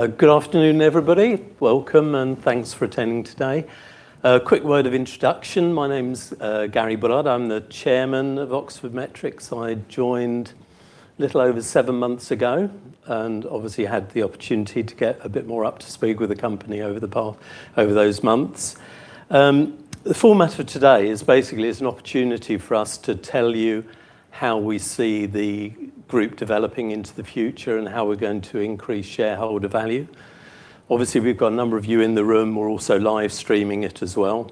Good afternoon, everybody. Welcome and thanks for attending today. A quick word of introduction. My name's Gary Bullard. I'm the Chairman of Oxford Metrics. I joined a little over seven months ago. I had the opportunity to get a bit more up to speed with the company over those months. The format for today is, it's an opportunity for us to tell you how we see the group developing into the future and how we're going to increase shareholder value. We've got a number of you in the room. We're also live streaming it as well.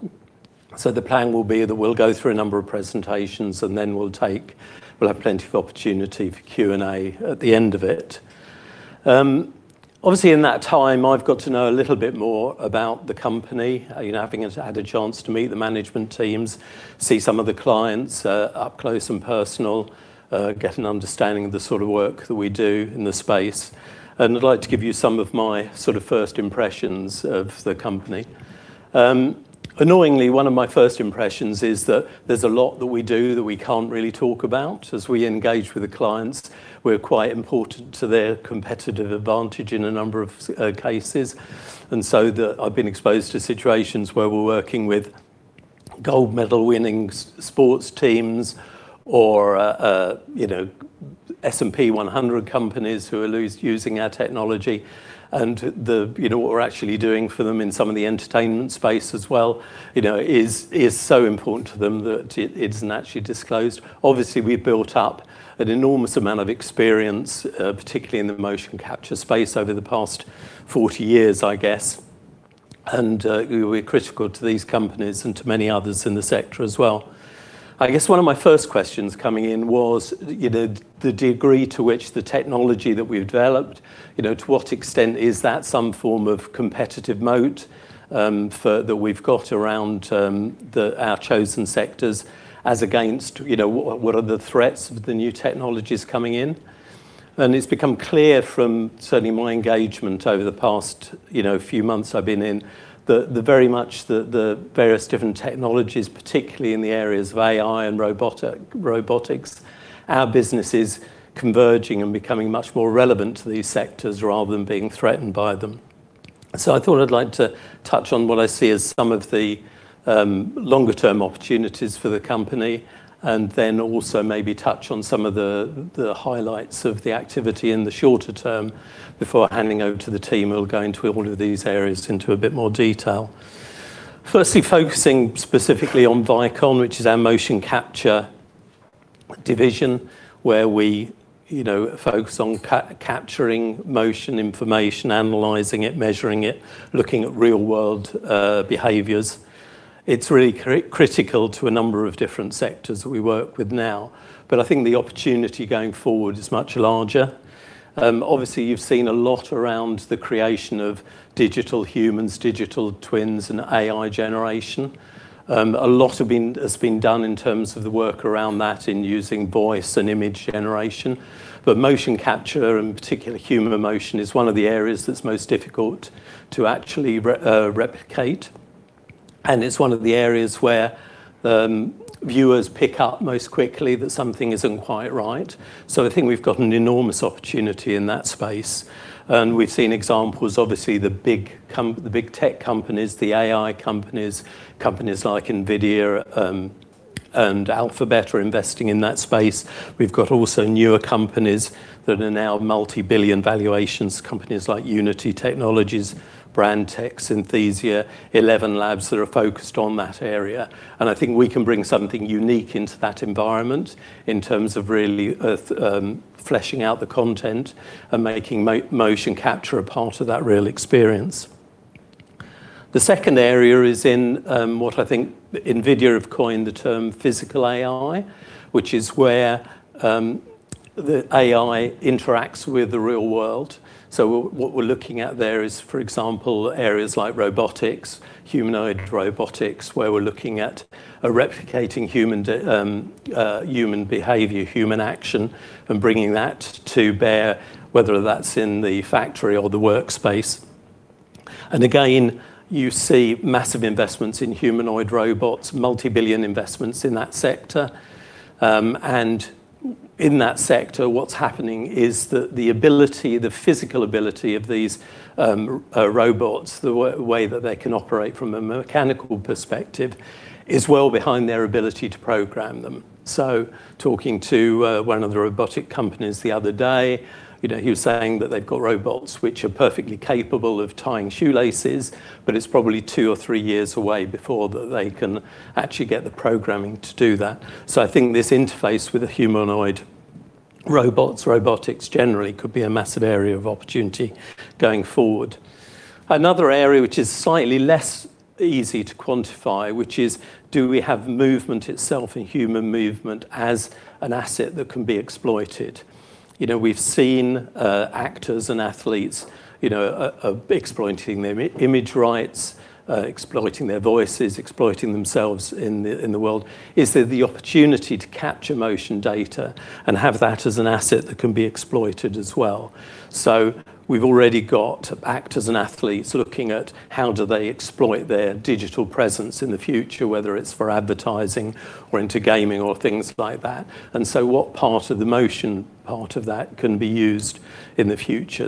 The plan will be that we'll go through a number of presentations and then we'll have plenty of opportunity for Q&A at the end of it. In that time, I've got to know a little bit more about the company, having had a chance to meet the management teams, see some of the clients up close and personal, get an understanding of the sort of work that we do in the space. I'd like to give you some of my first impressions of the company. Annoyingly, one of my first impressions is that there's a lot that we do that we can't really talk about. As we engage with the clients, we're quite important to their competitive advantage in a number of cases. I've been exposed to situations where we're working with gold-medal-winning sports teams or S&P 100 companies who are using our technology, and what we're actually doing for them in some of the entertainment space as well, is so important to them that it isn't actually disclosed. We've built up an enormous amount of experience, particularly in the motion capture space over the past 40 years, I guess. We're critical to these companies and to many others in the sector as well. I guess one of my first questions coming in was the degree to which the technology that we've developed, to what extent is that some form of competitive moat that we've got around our chosen sectors, as against what are the threats of the new technologies coming in? It's become clear from certainly my engagement over the past few months I've been in, that very much the various different technologies, particularly in the areas of AI and robotics, our business is converging and becoming much more relevant to these sectors rather than being threatened by them. I thought I'd like to touch on what I see as some of the longer-term opportunities for the company, and then also maybe touch on some of the highlights of the activity in the shorter term before handing over to the team, who'll go into all of these areas into a bit more detail. Firstly, focusing specifically on Vicon, which is our motion capture division, where we focus on capturing motion information, analyzing it, measuring it, looking at real-world behaviors. It's really critical to a number of different sectors that we work with now. I think the opportunity going forward is much larger. You've seen a lot around the creation of digital humans, digital twins and AI generation. A lot has been done in terms of the work around that in using voice and image generation. Motion capture, in particular human motion, is one of the areas that's most difficult to actually replicate. It's one of the areas where viewers pick up most quickly that something isn't quite right. I think we've got an enormous opportunity in that space. We've seen examples, obviously the big tech companies, the AI companies like NVIDIA and Alphabet are investing in that space. We've got also newer companies that are now multi-billion valuations, companies like Unity Technologies, BRANDTECH, Synthesia, ElevenLabs, that are focused on that area. I think we can bring something unique into that environment in terms of really fleshing out the content and making motion capture a part of that real experience. The second area is in what I think NVIDIA have coined the term Physical AI, which is where the AI interacts with the real world. What we're looking at there is, for example, areas like robotics, humanoid robotics, where we're looking at replicating human behavior, human action, and bringing that to bear, whether that's in the factory or the workspace. Again, you see massive investments in humanoid robots, multi-billion GBP investments in that sector. In that sector, what's happening is that the physical ability of these robots, the way that they can operate from a mechanical perspective, is well behind their ability to program them. Talking to one of the robotic companies the other day, he was saying that they've got robots which are perfectly capable of tying shoelaces, but it's probably two or three years away before they can actually get the programming to do that. I think this interface with humanoid robots, robotics generally, could be a massive area of opportunity going forward. Another area which is slightly less easy to quantify, which is do we have movement itself and human movement as an asset that can be exploited? We've seen actors and athletes exploiting their image rights, exploiting their voices, exploiting themselves in the world. Is there the opportunity to capture motion data and have that as an asset that can be exploited as well? We've already got actors and athletes looking at how do they exploit their digital presence in the future, whether it's for advertising or into gaming or things like that. What part of the motion part of that can be used in the future?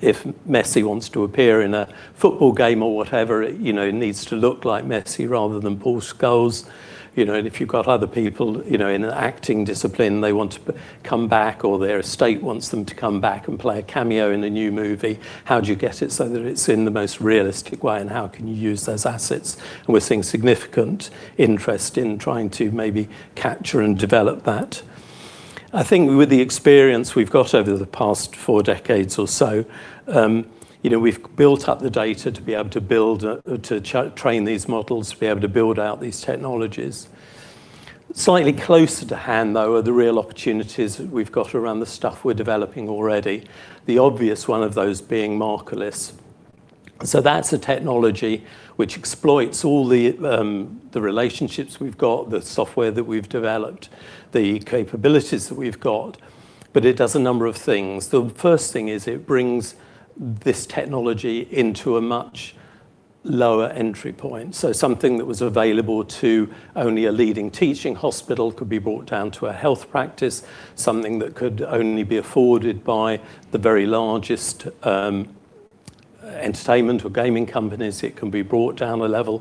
If Messi wants to appear in a football game or whatever, it needs to look like Messi rather than Paul Scholes. If you've got other people in an acting discipline, they want to come back, or their estate wants them to come back and play a cameo in a new movie, how do you get it so that it's in the most realistic way? How can you use those assets? We're seeing significant interest in trying to maybe capture and develop that. I think with the experience we've got over the past four decades or so, we've built up the data to be able to train these models, to be able to build out these technologies. Slightly closer to hand, though, are the real opportunities we've got around the stuff we're developing already, the obvious one of those being Markerless. That's a technology which exploits all the relationships we've got, the software that we've developed, the capabilities that we've got. It does a number of things. The first thing is it brings this technology into a much lower entry point. Something that was available to only a leading teaching hospital could be brought down to a health practice, something that could only be afforded by the very largest entertainment or gaming companies, it can be brought down a level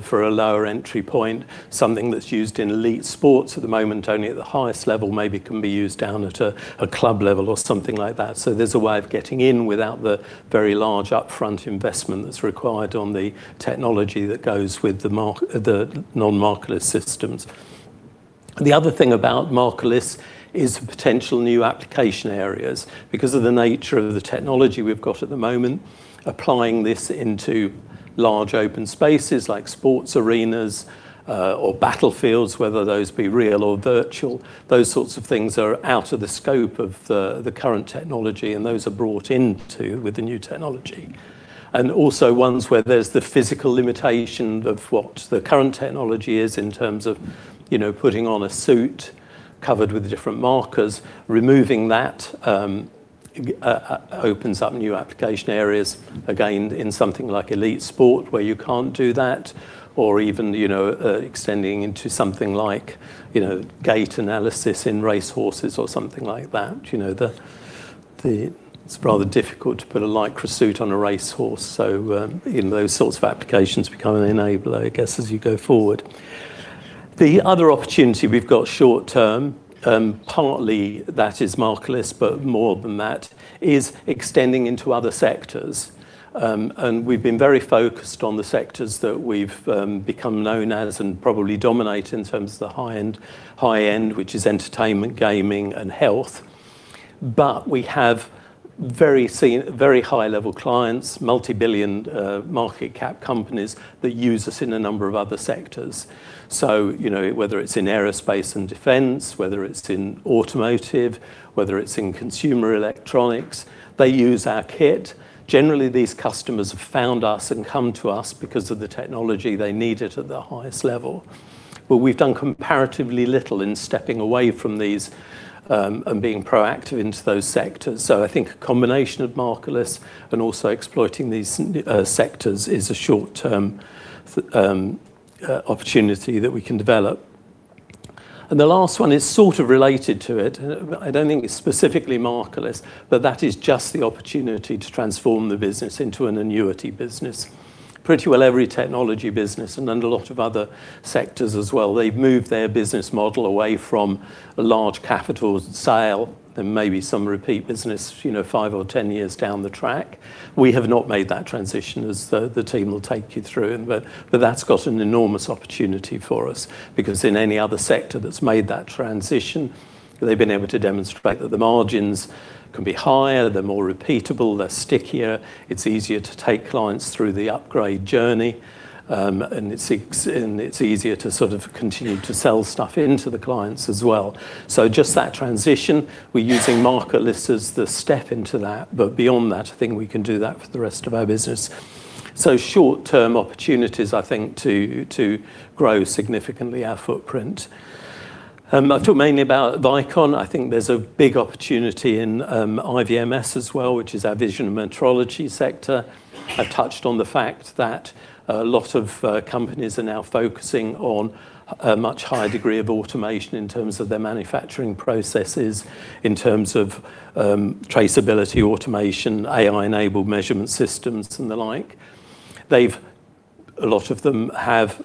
for a lower entry point, something that's used in elite sports at the moment only at the highest level, maybe can be used down at a club level or something like that. There's a way of getting in without the very large upfront investment that's required on the technology that goes with the non-Markerless systems. The other thing about Markerless is potential new application areas. Because of the nature of the technology we've got at the moment, applying this into large open spaces like sports arenas or battlefields, whether those be real or virtual, those sorts of things are out of the scope of the current technology, and those are brought into with the new technology. Also ones where there's the physical limitation of what the current technology is in terms of putting on a suit covered with the different markers. Removing that opens up new application areas, again, in something like elite sport where you can't do that, or even extending into something like gait analysis in racehorses or something like that. It's rather difficult to put a Lycra suit on a racehorse. In those sorts of applications, become an enabler, I guess, as you go forward. The other opportunity we've got short term, partly that is Markerless, but more than that, is extending into other sectors. We've been very focused on the sectors that we've become known as and probably dominate in terms of the high end, which is entertainment, gaming, and health. We have very high level clients, multi-billion market cap companies that use us in a number of other sectors. Whether it's in aerospace and defense, whether it's in automotive, whether it's in consumer electronics, they use our kit. Generally, these customers have found us and come to us because of the technology they needed at the highest level. We've done comparatively little in stepping away from these, and being proactive into those sectors. I think a combination of Markerless and also exploiting these sectors is a short-term opportunity that we can develop. The last one is sort of related to it. I don't think it's specifically Markerless, but that is just the opportunity to transform the business into an annuity business. Pretty well every technology business and a lot of other sectors as well, they've moved their business model away from a large capital sale and maybe some repeat business five or 10 years down the track. We have not made that transition, as the team will take you through, but that's got an enormous opportunity for us because in any other sector that's made that transition, they've been able to demonstrate that the margins can be higher, they're more repeatable, they're stickier, it's easier to take clients through the upgrade journey, and it's easier to sort of continue to sell stuff into the clients as well. Just that transition, we're using Markerless as the step into that. Beyond that, I think we can do that for the rest of our business. Short-term opportunities, I think, to grow significantly our footprint. I've talked mainly about Vicon. I think there's a big opportunity in IVMS as well, which is our vision metrology sector. I've touched on the fact that a lot of companies are now focusing on a much higher degree of automation in terms of their manufacturing processes, in terms of traceability, automation, AI-enabled measurement systems, and the like. A lot of them have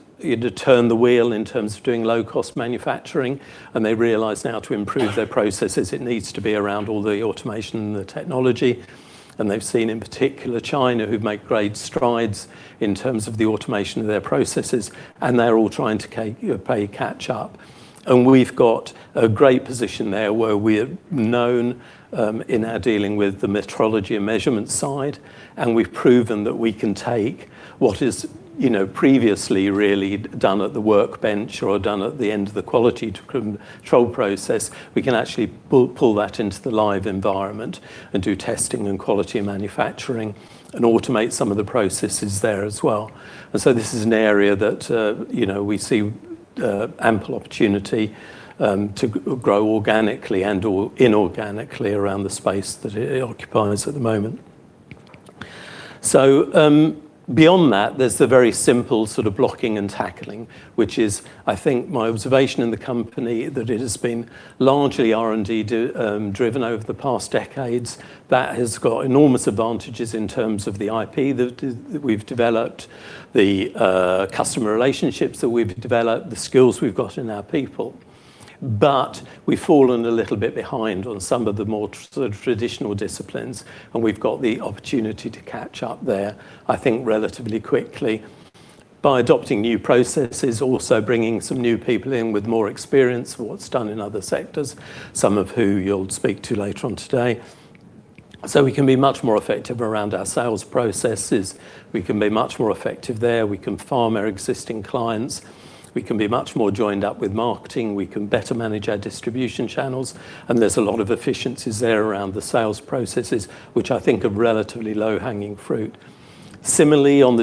turned the wheel in terms of doing low-cost manufacturing, and they realize now to improve their processes, it needs to be around all the automation and the technology. They've seen, in particular, China, who've made great strides in terms of the automation of their processes, and they're all trying to play catch up. We've got a great position there where we're known in our dealing with the metrology and measurement side, and we've proven that we can take what is previously really done at the workbench or done at the end of the quality control process. We can actually pull that into the live environment and do testing and quality manufacturing and automate some of the processes there as well. This is an area that we see ample opportunity to grow organically and, or inorganically around the space that it occupies at the moment. Beyond that, there's the very simple sort of blocking and tackling, which is, I think my observation in the company, that it has been largely R&D-driven over the past decades. That has got enormous advantages in terms of the IP that we've developed, the customer relationships that we've developed, the skills we've got in our people. We've fallen a little bit behind on some of the more traditional disciplines, and we've got the opportunity to catch up there, I think, relatively quickly by adopting new processes, also bringing some new people in with more experience of what's done in other sectors, some of who you'll speak to later on today. We can be much more effective around our sales processes. We can be much more effective there. We can farm our existing clients. We can be much more joined up with marketing. We can better manage our distribution channels. There's a lot of efficiencies there around the sales processes, which I think are relatively low-hanging fruit. Similarly, on the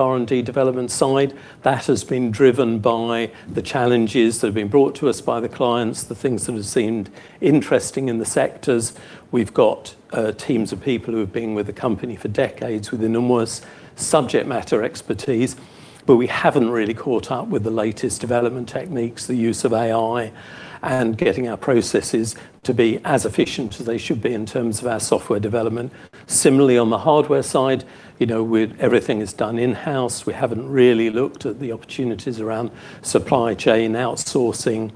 R&D development side, that has been driven by the challenges that have been brought to us by the clients, the things that have seemed interesting in the sectors. We've got teams of people who have been with the company for decades with enormous subject matter expertise, but we haven't really caught up with the latest development techniques, the use of AI, and getting our processes to be as efficient as they should be in terms of our software development. Similarly, on the hardware side, everything is done in-house. We haven't really looked at the opportunities around supply chain outsourcing,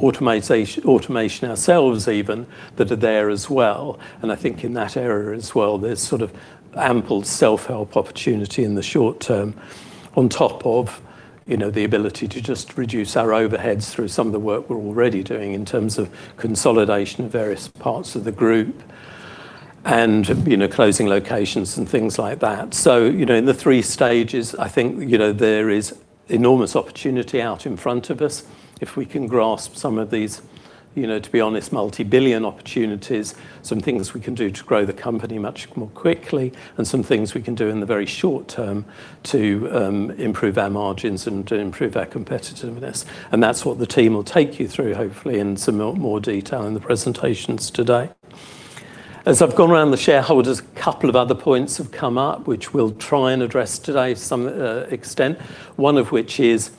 automation ourselves even, that are there as well. I think in that area as well, there's sort of ample self-help opportunity in the short term on top of the ability to just reduce our overheads through some of the work we're already doing in terms of consolidation of various parts of the group and closing locations and things like that. In the three stages, I think there is enormous opportunity out in front of us if we can grasp some of these, to be honest, multi-billion opportunities, some things we can do to grow the company much more quickly, and some things we can do in the very short-term to improve our margins and to improve our competitiveness. That's what the team will take you through, hopefully in some more detail in the presentations today. As I've gone around the shareholders, a couple of other points have come up which we'll try and address today to some extent. One of which is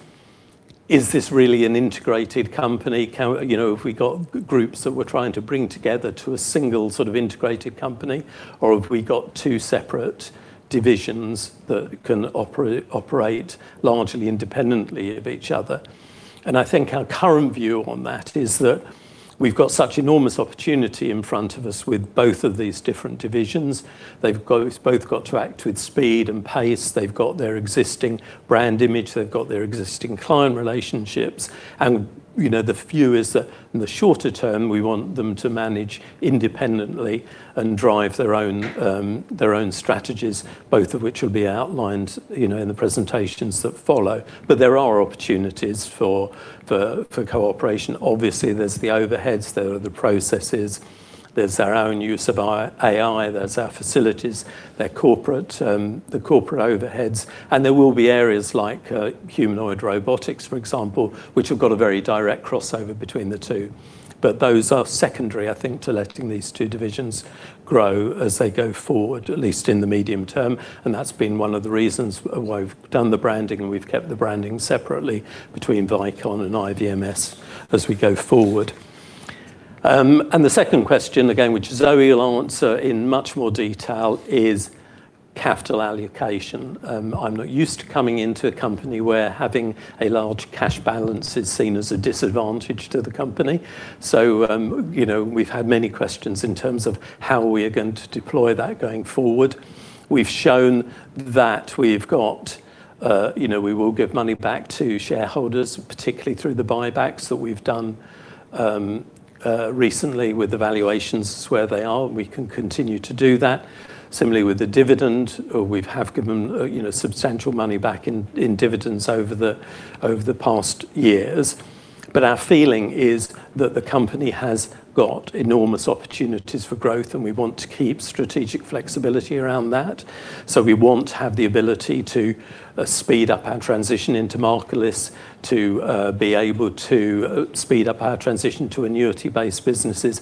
this really an integrated company? Have we got groups that we're trying to bring together to a single sort of integrated company, or have we got two separate divisions that can operate largely independently of each other? I think our current view on that is that we've got such enormous opportunity in front of us with both of these different divisions. They've both got to act with speed and pace. They've got their existing brand image. They've got their existing client relationships. The view is that in the shorter term, we want them to manage independently and drive their own strategies, both of which will be outlined in the presentations that follow. There are opportunities for cooperation. Obviously, there's the overheads there, the processes. There's our own use of our AI, there's our facilities, the corporate overheads, and there will be areas like humanoid robotics, for example, which have got a very direct crossover between the two. Those are secondary, I think, to letting these two divisions grow as they go forward, at least in the medium-term. That's been one of the reasons why we've done the branding and we've kept the branding separately between Vicon and IVMS as we go forward. The second question, again, which Zoe will answer in much more detail, is capital allocation. I'm not used to coming into a company where having a large cash balance is seen as a disadvantage to the company. We've had many questions in terms of how we are going to deploy that going forward. We've shown that we will give money back to shareholders, particularly through the buybacks that we've done recently with the valuations where they are. We can continue to do that. Similarly, with the dividend, we have given substantial money back in dividends over the past years. Our feeling is that the company has got enormous opportunities for growth, and we want to keep strategic flexibility around that. We want to have the ability to speed up our transition into Markerless, to be able to speed up our transition to annuity-based businesses,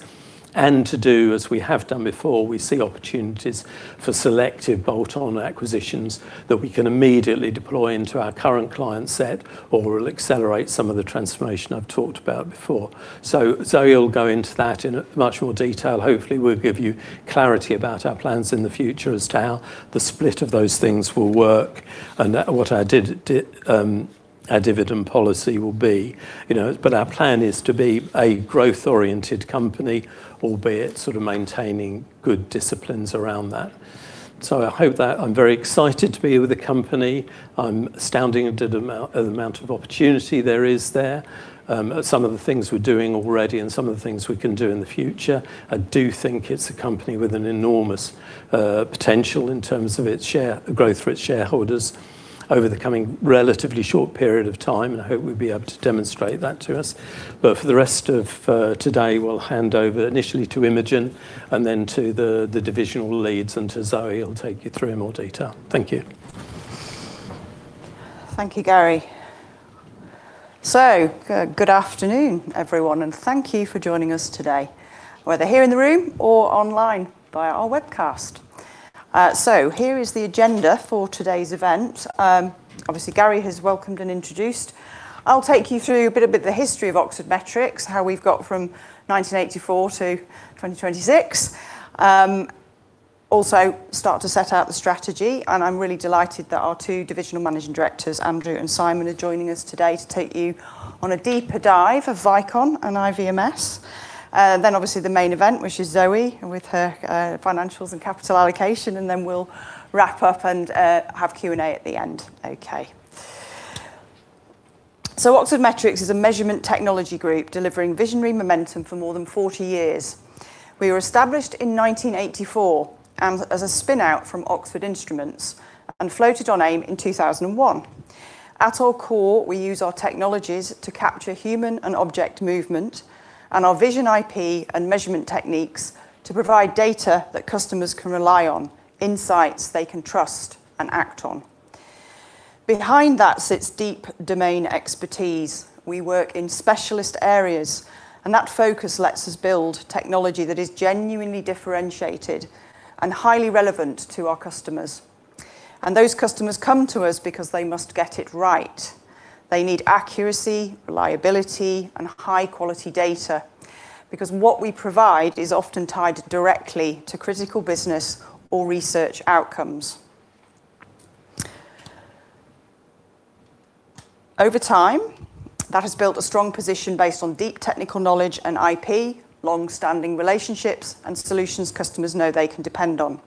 and to do as we have done before. We see opportunities for selective bolt-on acquisitions that we can immediately deploy into our current client set or will accelerate some of the transformation I've talked about before. Zoe will go into that in much more detail. Hopefully, we'll give you clarity about our plans in the future as to how the split of those things will work and what our dividend policy will be. Our plan is to be a growth-oriented company, albeit sort of maintaining good disciplines around that. I hope that. I'm very excited to be with the company. I'm astounded at the amount of opportunity there is there, some of the things we're doing already and some of the things we can do in the future. I do think it's a company with an enormous potential in terms of growth for its shareholders over the coming relatively short period of time, and I hope we'll be able to demonstrate that to us. For the rest of today, we'll hand over initially to Imogen and then to the divisional leads, and to Zoe who'll take you through in more detail. Thank you. Thank you, Gary. Good afternoon, everyone, and thank you for joining us today, whether here in the room or online via our webcast. Here is the agenda for today's event. Obviously, Gary has welcomed and introduced. I'll take you through a bit of the history of Oxford Metrics, how we've got from 1984 to 2026. Also start to set out the strategy, and I'm really delighted that our two divisional managing directors, Andrew and Simon, are joining us today to take you on a deeper dive of Vicon and IVMS. Obviously the main event, which is Zoe with her financials and capital allocation, and then we'll wrap up and have Q&A at the end. Oxford Metrics is a measurement technology group delivering visionary momentum for more than 40 years. We were established in 1984 as a spin-out from Oxford Instruments and floated on AIM in 2001. At our core, we use our technologies to capture human and object movement and our vision IP and measurement techniques to provide data that customers can rely on, insights they can trust and act on. Behind that sits deep domain expertise. We work in specialist areas, and that focus lets us build technology that is genuinely differentiated and highly relevant to our customers. Those customers come to us because they must get it right. They need accuracy, reliability, and high-quality data, because what we provide is often tied directly to critical business or research outcomes. Over time, that has built a strong position based on deep technical knowledge and IP, long-standing relationships, and solutions customers know they can depend on.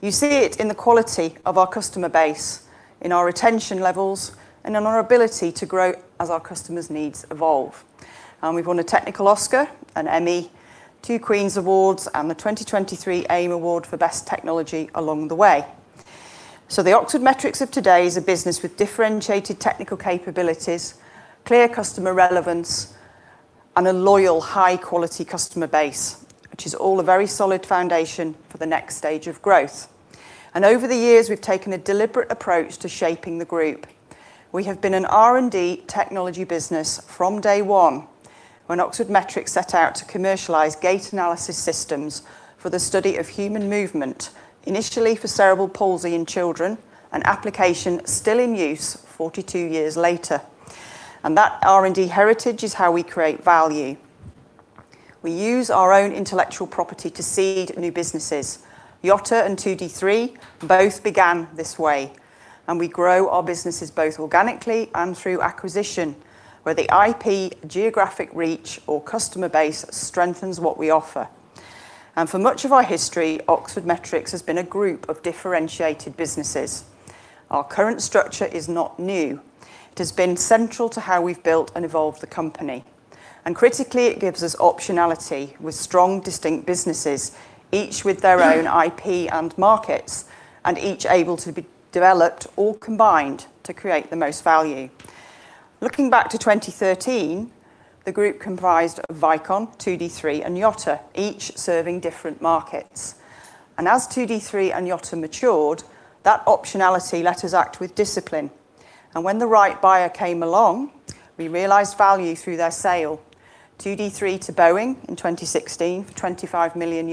You see it in the quality of our customer base, in our retention levels, and in our ability to grow as our customers' needs evolve. We've won a technical Oscar, an Emmy, two Queen's Awards, and the 2023 AIM Award for Best Technology along the way. The Oxford Metrics of today is a business with differentiated technical capabilities, clear customer relevance, and a loyal, high-quality customer base, which is all a very solid foundation for the next stage of growth. Over the years, we've taken a deliberate approach to shaping the group. We have been an R&D technology business from day one, when Oxford Metrics set out to commercialize gait analysis systems for the study of human movement, initially for cerebral palsy in children, an application still in use 42 years later. That R&D heritage is how we create value. We use our own intellectual property to seed new businesses. Yotta and 2d3 both began this way, and we grow our businesses both organically and through acquisition, where the IP geographic reach or customer base strengthens what we offer. For much of our history, Oxford Metrics has been a group of differentiated businesses. Our current structure is not new. It has been central to how we've built and evolved the company. Critically, it gives us optionality with strong, distinct businesses, each with their own IP and markets, and each able to be developed or combined to create the most value. Looking back to 2013, the group comprised Vicon, 2d3, and Yotta, each serving different markets. As 2d3 and Yotta matured, that optionality let us act with discipline. When the right buyer came along, we realized value through their sale. 2d3 to Boeing in 2016 for $25 million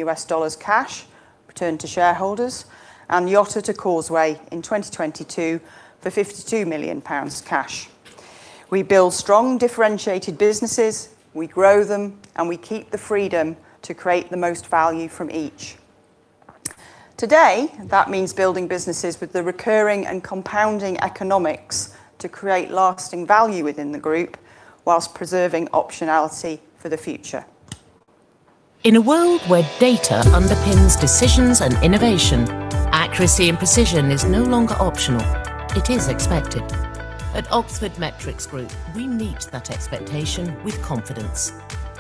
cash returned to shareholders, and Yotta to Causeway in 2022 for 52 million pounds cash. We build strong, differentiated businesses, we grow them, and we keep the freedom to create the most value from each. Today, that means building businesses with the recurring and compounding economics to create lasting value within the group whilst preserving optionality for the future. In a world where data underpins decisions and innovation, accuracy and precision is no longer optional. It is expected. At Oxford Metrics Group, we meet that expectation with confidence.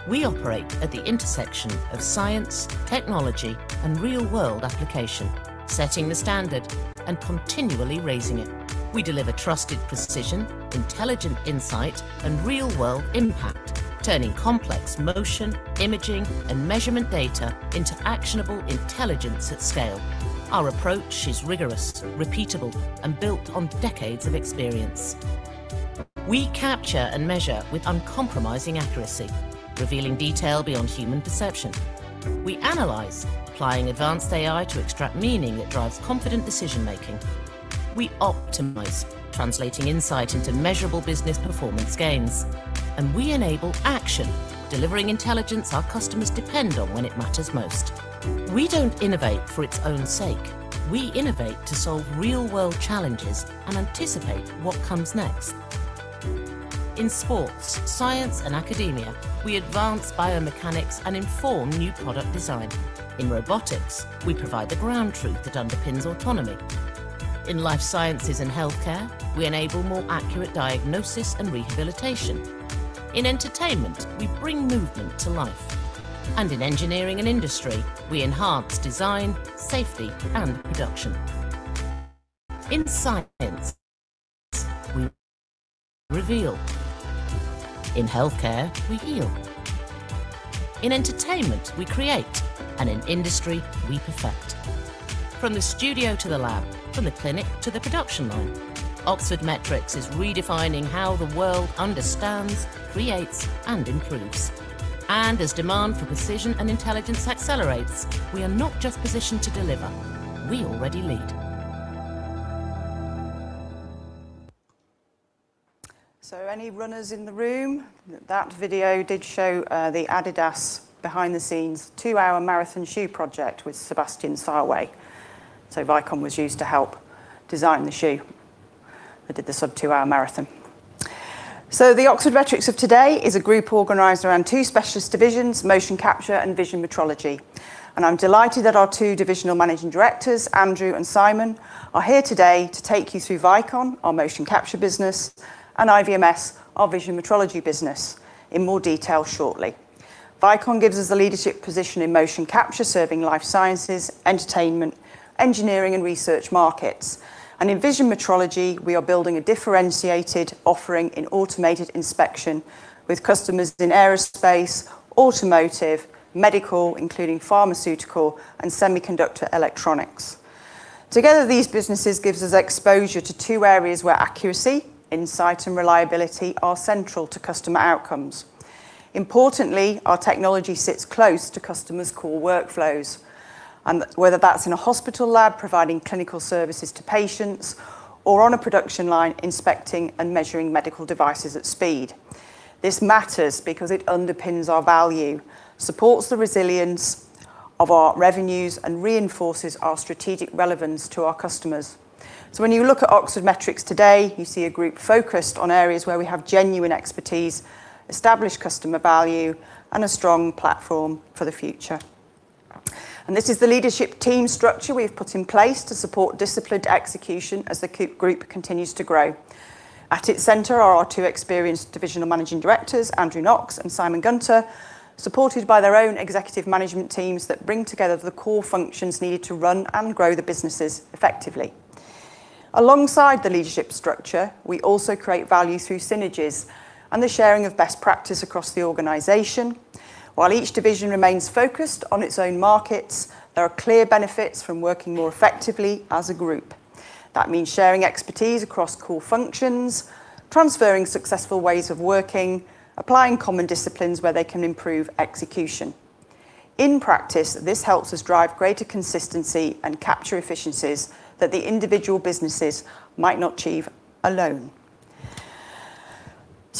We operate at the intersection of science, technology, and real-world application, setting the standard and continually raising it. We deliver trusted precision, intelligent insight, and real-world impact, turning complex motion, imaging, and measurement data into actionable intelligence at scale. Our approach is rigorous, repeatable, and built on decades of experience. We capture and measure with uncompromising accuracy, revealing detail beyond human perception. We analyze, applying advanced AI to extract meaning that drives confident decision-making. We optimize, translating insight into measurable business performance gains. We enable action, delivering intelligence our customers depend on when it matters most. We don't innovate for its own sake. We innovate to solve real-world challenges and anticipate what comes next. In sports, science, and academia, we advance biomechanics and inform new product design. In robotics, we provide the ground truth that underpins autonomy. In life sciences and healthcare, we enable more accurate diagnosis and rehabilitation. In entertainment, we bring movement to life. In engineering and industry, we enhance design, safety, and production. In science, we reveal. In healthcare, we heal. In entertainment, we create, and in industry, we perfect. From the studio to the lab, from the clinic to the production line, Oxford Metrics is redefining how the world understands, creates, and improves. As demand for precision and intelligence accelerates, we are not just positioned to deliver, we already lead. Any runners in the room? That video did show the Adidas behind-the-scenes two-hour marathon shoe project with Sebastian Sawe. Vicon was used to help design the shoe that did the sub-two-hour marathon. The Oxford Metrics of today is a group organized around two specialist divisions, motion capture and vision metrology. I'm delighted that our two divisional managing directors, Andrew and Simon, are here today to take you through Vicon, our motion capture business, and IVMS, our vision metrology business, in more detail shortly. Vicon gives us a leadership position in motion capture, serving life sciences, entertainment, engineering, and research markets. In vision metrology, we are building a differentiated offering in automated inspection with customers in aerospace, automotive, medical, including pharmaceutical, and semiconductor electronics. Together, these businesses gives us exposure to two areas where accuracy, insight, and reliability are central to customer outcomes. Importantly, our technology sits close to customers' core workflows, and whether that's in a hospital lab providing clinical services to patients, or on a production line inspecting and measuring medical devices at speed. This matters because it underpins our value, supports the resilience of our revenues, and reinforces our strategic relevance to our customers. When you look at Oxford Metrics today, you see a group focused on areas where we have genuine expertise, established customer value, and a strong platform for the future. This is the leadership team structure we've put in place to support disciplined execution as the group continues to grow. At its center are our two experienced divisional Managing Directors, Andrew Knox and Simon Gunter, supported by their own executive management teams that bring together the core functions needed to run and grow the businesses effectively. Alongside the leadership structure, we also create value through synergies and the sharing of best practice across the organization. While each division remains focused on its own markets, there are clear benefits from working more effectively as a group. That means sharing expertise across core functions, transferring successful ways of working, applying common disciplines where they can improve execution. In practice, this helps us drive greater consistency and capture efficiencies that the individual businesses might not achieve alone.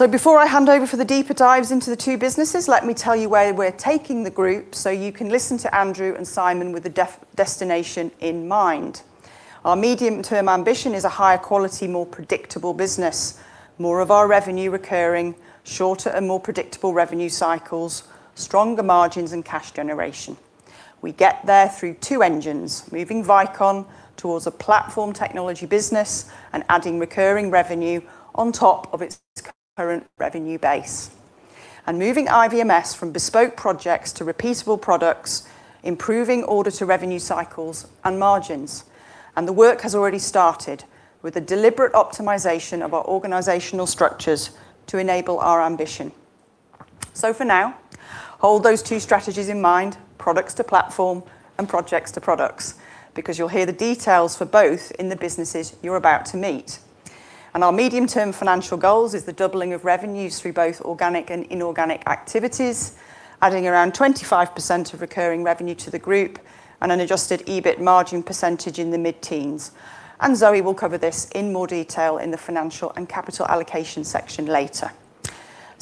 Before I hand over for the deeper dives into the two businesses, let me tell you where we're taking the group so you can listen to Andrew and Simon with the destination in mind. Our medium-term ambition is a higher quality, more predictable business, more of our revenue recurring, shorter and more predictable revenue cycles, stronger margins and cash generation. We get there through two engines, moving Vicon towards a platform technology business and adding recurring revenue on top of its current revenue base. Moving IVMS from bespoke projects to repeatable products, improving order to revenue cycles and margins. The work has already started with a deliberate optimization of our organizational structures to enable our ambition. For now, hold those two strategies in mind, products to platform and projects to products, because you'll hear the details for both in the businesses you're about to meet. Our medium-term financial goals is the doubling of revenues through both organic and inorganic activities, adding around 25% of recurring revenue to the group, and an adjusted EBIT margin percentage in the mid-teens. Zoe will cover this in more detail in the financial and capital allocation section later.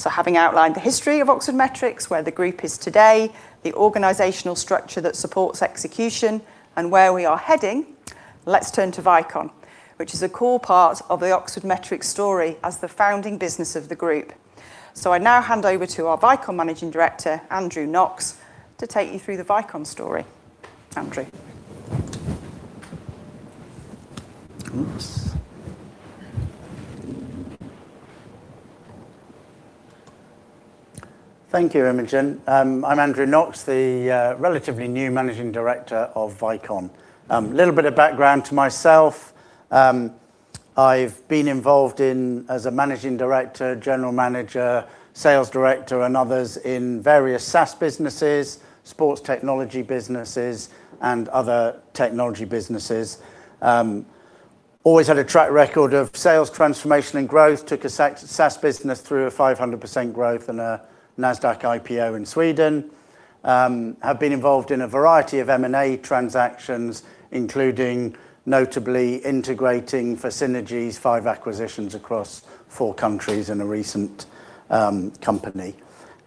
Having outlined the history of Oxford Metrics, where the group is today, the organizational structure that supports execution, and where we are heading, let's turn to Vicon, which is a core part of the Oxford Metrics story as the founding business of the group. I now hand over to our Vicon Managing Director, Andrew Knox, to take you through the Vicon story. Andrew. Oops. Thank you, Imogen. I'm Andrew Knox, the relatively new Managing Director of Vicon. Little bit of background to myself. I've been involved in as a Managing Director, General Manager, Sales Director, and others in various SaaS businesses, sports technology businesses, and other technology businesses. Always had a track record of sales transformation and growth. Took a SaaS business through a 500% growth and a Nasdaq IPO in Sweden. Have been involved in a variety of M&A transactions, including notably integrating for synergies five acquisitions across four countries in a recent company.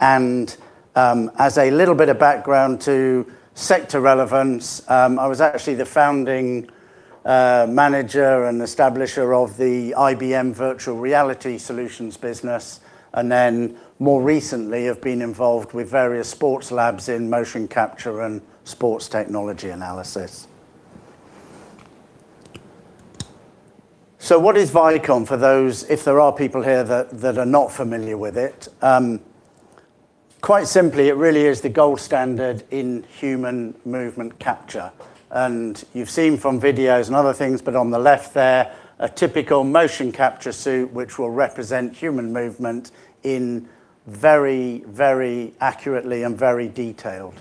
As a little bit of background to sector relevance, I was actually the Founding Manager and establisher of the IBM Virtual Reality Solutions business, and then more recently have been involved with various sports labs in motion capture and sports technology analysis. What is Vicon? For those, if there are people here that are not familiar with it. Quite simply, it really is the gold standard in human movement capture. You've seen from videos and other things, but on the left there, a typical motion capture suit which will represent human movement in very accurately and very detailed.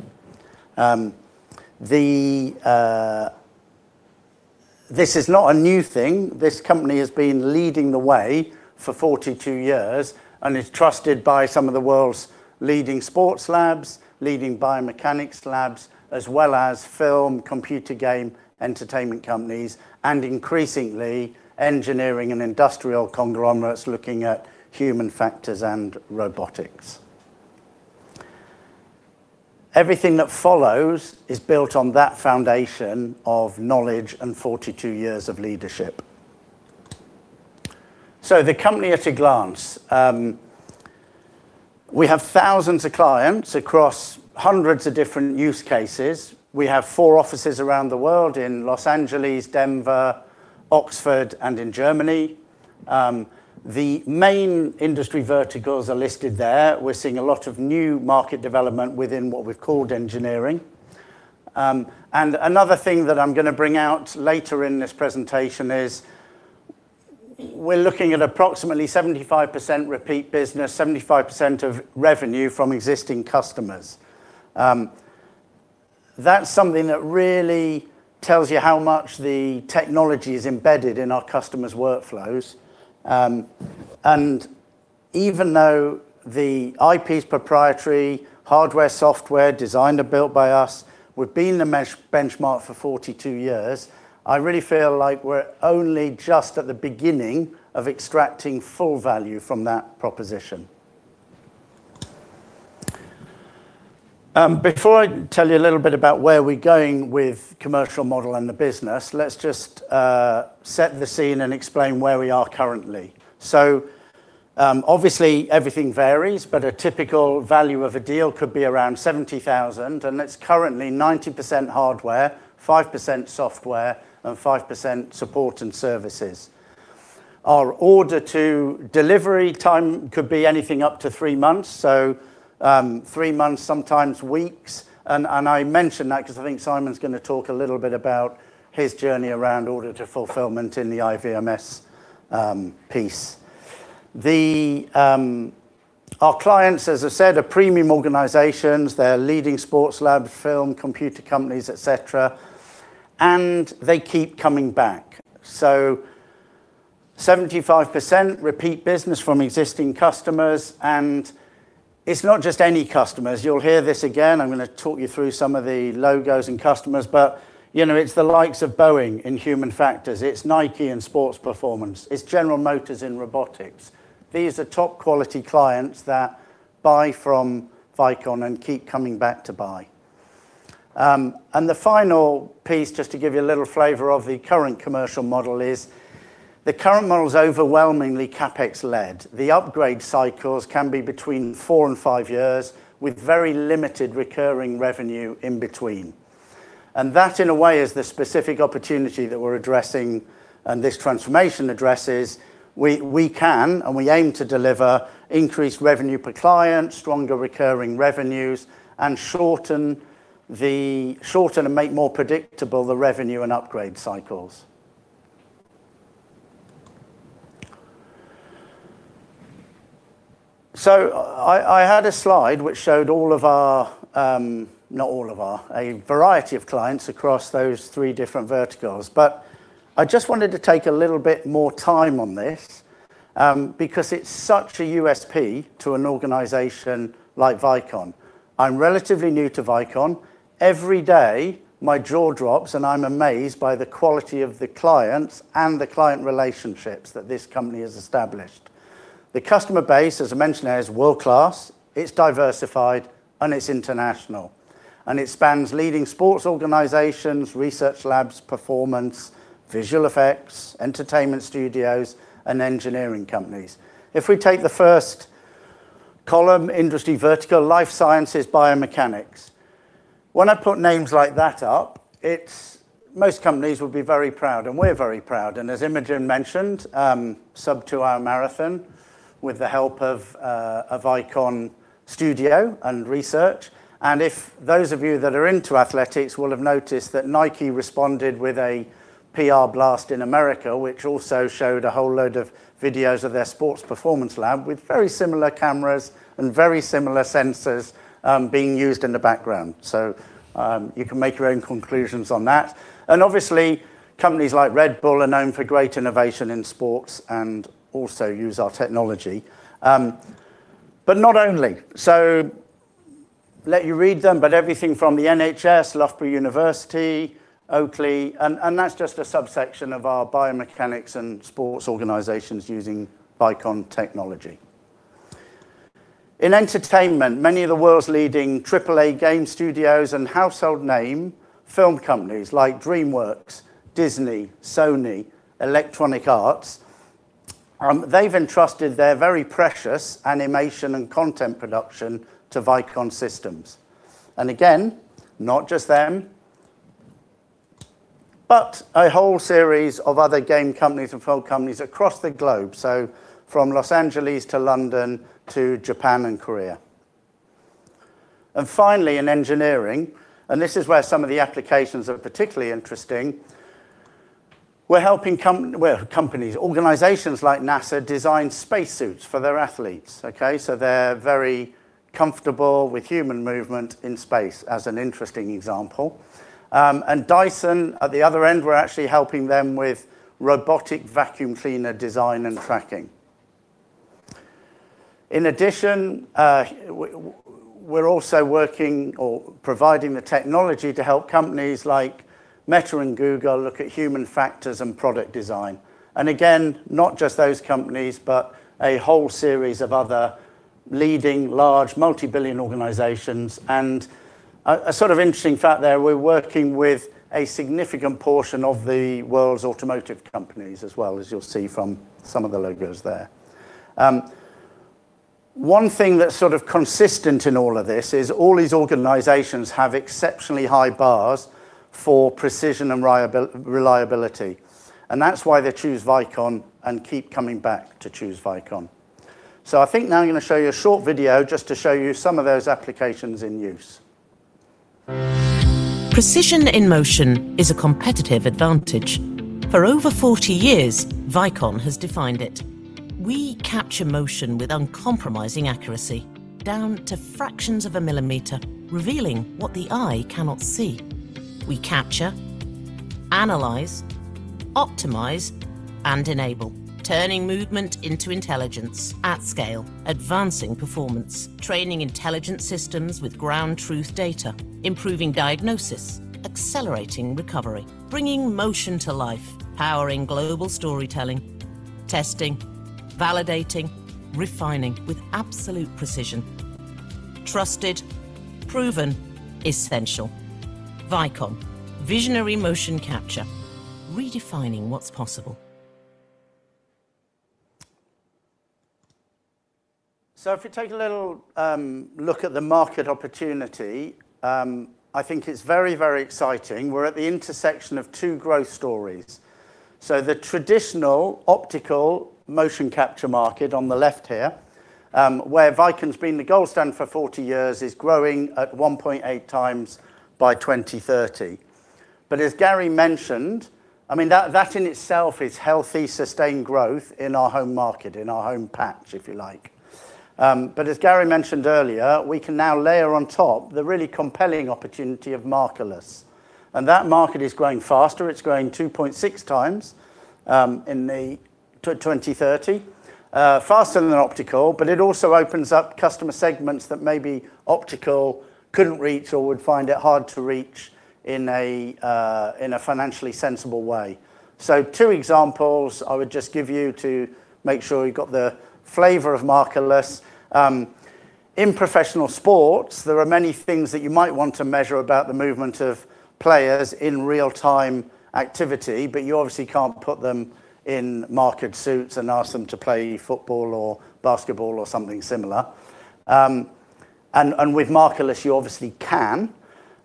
This is not a new thing. This company has been leading the way for 42 years and is trusted by some of the world's leading sports labs, leading biomechanics labs, as well as film, computer game, entertainment companies, and increasingly, engineering and industrial conglomerates looking at human factors and robotics. Everything that follows is built on that foundation of knowledge and 42 years of leadership. The company at a glance. We have thousands of clients across hundreds of different use cases. We have four offices around the world, in Los Angeles, Denver, Oxford, and in Germany. The main industry verticals are listed there. We're seeing a lot of new market development within what we've called engineering. Another thing that I'm going to bring out later in this presentation is we're looking at approximately 75% repeat business, 75% of revenue from existing customers. That's something that really tells you how much the technology is embedded in our customers' workflows. Even though the IP's proprietary, hardware, software designed and built by us, we've been the benchmark for 42 years, I really feel like we're only just at the beginning of extracting full value from that proposition. Before I tell you a little bit about where we're going with commercial model and the business, let's just set the scene and explain where we are currently. Obviously, everything varies, but a typical value of a deal could be around 70,000, and it's currently 90% hardware, 5% software, and 5% support and services. Our order to delivery time could be anything up to three months. Three months, sometimes weeks, and I mention that because I think Simon's going to talk a little bit about his journey around order to fulfillment in the IVMS piece. Our clients, as I said, are premium organizations. They're leading sports lab, film, computer companies, et cetera, and they keep coming back. 75% repeat business from existing customers. It's not just any customers. You'll hear this again. I'm going to talk you through some of the logos and customers, but it's the likes of Boeing in human factors, it's Nike in sports performance, it's General Motors in robotics. These are top quality clients that buy from Vicon and keep coming back to buy. The final piece, just to give you a little flavor of the current commercial model, is the current model is overwhelmingly CapEx led. The upgrade cycles can be between four and five years with very limited recurring revenue in between. That, in a way, is the specific opportunity that we're addressing and this transformation addresses. We can and we aim to deliver increased revenue per client, stronger recurring revenues, and shorten and make more predictable the revenue and upgrade cycles. I had a slide which showed all of our Not all of our, a variety of clients across those three different verticals, but I just wanted to take a little bit more time on this, because it's such a USP to an organization like Vicon. I'm relatively new to Vicon. Every day, my jaw drops, and I'm amazed by the quality of the clients and the client relationships that this company has established. The customer base, as I mentioned earlier, is world-class, it's diversified, and it's international. It spans leading sports organizations, research labs, performance, visual effects, entertainment studios, and engineering companies. If we take the first column, Industry Vertical, Life Sciences, Biomechanics. When I put names like that up, most companies would be very proud, and we're very proud. As Imogen mentioned, sub-two-hour marathon with the help of Vicon Studio and Research. If those of you that are into athletics will have noticed that Nike responded with a PR blast in America, which also showed a whole load of videos of their sports performance lab with very similar cameras and very similar sensors being used in the background. You can make your own conclusions on that. Obviously, companies like Red Bull are known for great innovation in sports and also use our technology. Not only. Let you read them, everything from the NHS, Loughborough University, Oakley, and that's just a subsection of our biomechanics and sports organizations using Vicon technology. In entertainment, many of the world's leading AAA game studios and household name film companies like DreamWorks, Disney, Sony, Electronic Arts, they've entrusted their very precious animation and content production to Vicon Systems. Again, not just them, a whole series of other game companies and film companies across the globe. From Los Angeles to London, to Japan and Korea. Finally, in engineering, this is where some of the applications are particularly interesting. We're helping organizations like NASA design spacesuits for their athletes, okay, so they're very comfortable with human movement in space, as an interesting example. Dyson, at the other end, we're actually helping them with robotic vacuum cleaner design and tracking. In addition, we're also working or providing the technology to help companies like Meta and Google look at human factors and product design. Again, not just those companies, a whole series of other leading large multi-billion organizations. A sort of interesting fact there, we're working with a significant portion of the world's automotive companies as well, as you'll see from some of the logos there. One thing that's sort of consistent in all of this is all these organizations have exceptionally high bars for precision and reliability. That's why they choose Vicon and keep coming back to choose Vicon. I think now I'm going to show you a short video just to show you some of those applications in use. Precision in motion is a competitive advantage. For over 40 years, Vicon has defined it. We capture motion with uncompromising accuracy, down to fractions of a millimeter, revealing what the eye cannot see. We capture, analyze, optimize, and enable, turning movement into intelligence at scale, advancing performance, training intelligent systems with ground truth data, improving diagnosis, accelerating recovery, bringing motion to life, powering global storytelling, testing, validating, refining with absolute precision. Trusted, proven, essential. Vicon, visionary motion capture, redefining what's possible. If we take a little look at the market opportunity, I think it's very exciting. We're at the intersection of two growth stories. The traditional optical motion capture market on the left here, where Vicon's been the gold standard for 40 years, is growing at 1.8x by 2030. As Gary mentioned, that in itself is healthy, sustained growth in our home market, in our home patch, if you like. As Gary mentioned earlier, we can now layer on top the really compelling opportunity of Markerless. That market is growing faster. It's growing 2.6x in 2030, faster than optical, but it also opens up customer segments that maybe optical couldn't reach or would find it hard to reach in a financially sensible way. Two examples I would just give you to make sure you've got the flavor of Markerless. In professional sports, there are many things that you might want to measure about the movement of players in real-time activity, but you obviously can't put them in marked suits and ask them to play football or basketball or something similar. With Markerless, you obviously can.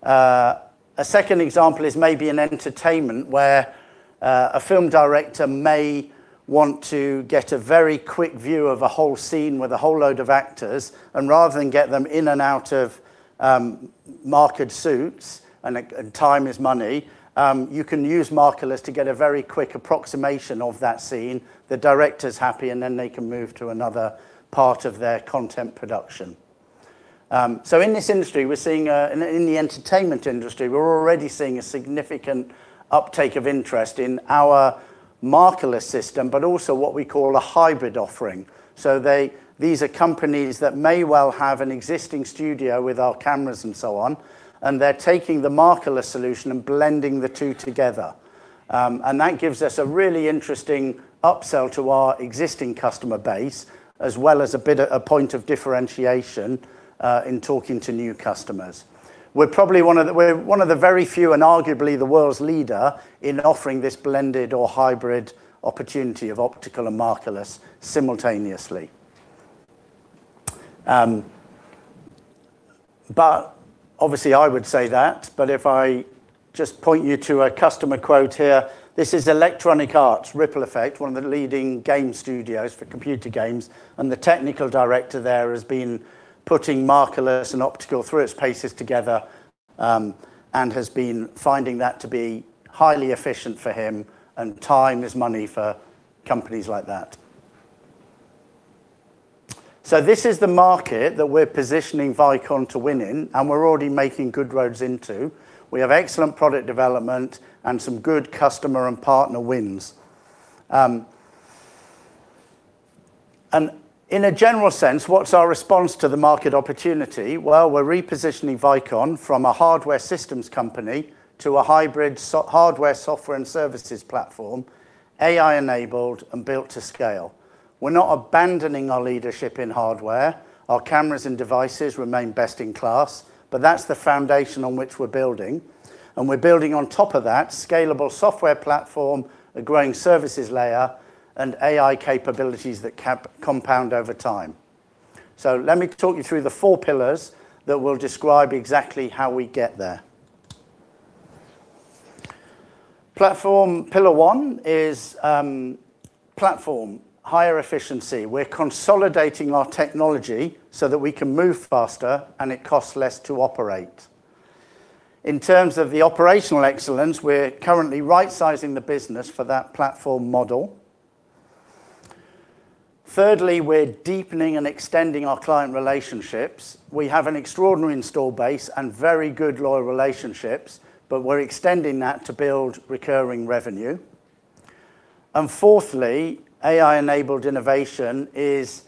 A second example is maybe in entertainment, where a film director may want to get a very quick view of a whole scene with a whole load of actors, and rather than get them in and out of marked suits, and time is money, you can use Markerless to get a very quick approximation of that scene. The director's happy, and then they can move to another part of their content production. In the entertainment industry, we're already seeing a significant uptake of interest in our Markerless system, but also what we call a hybrid offering. These are companies that may well have an existing studio with our cameras and so on, and they're taking the Markerless solution and blending the two together. That gives us a really interesting upsell to our existing customer base, as well as a point of differentiation in talking to new customers. We're one of the very few and arguably the world's leader in offering this blended or hybrid opportunity of optical and Markerless simultaneously. Obviously I would say that, but if I just point you to a customer quote here. This is Electronic Arts, Ripple Effect, one of the leading game studios for computer games, and the technical director there has been putting Markerless and optical through its paces together, and has been finding that to be highly efficient for him and time is money for companies like that. This is the market that we're positioning Vicon to win in, and we're already making good inroads into. We have excellent product development and some good customer and partner wins. In a general sense, what's our response to the market opportunity? Well, we're repositioning Vicon from a hardware systems company to a hybrid hardware, software, and services platform, AI enabled and built to scale. We're not abandoning our leadership in hardware. Our cameras and devices remain best in class, but that's the foundation on which we're building. We're building on top of that scalable software platform, a growing services layer, and AI capabilities that compound over time. Let me talk you through the four pillars that will describe exactly how we get there. Platform pillar one is platform, higher efficiency. We're consolidating our technology so that we can move faster and it costs less to operate. In terms of the operational excellence, we're currently rightsizing the business for that platform model. Thirdly, we're deepening and extending our client relationships. We have an extraordinary install base and very good loyal relationships, but we're extending that to build recurring revenue. Fourthly, AI-enabled innovation is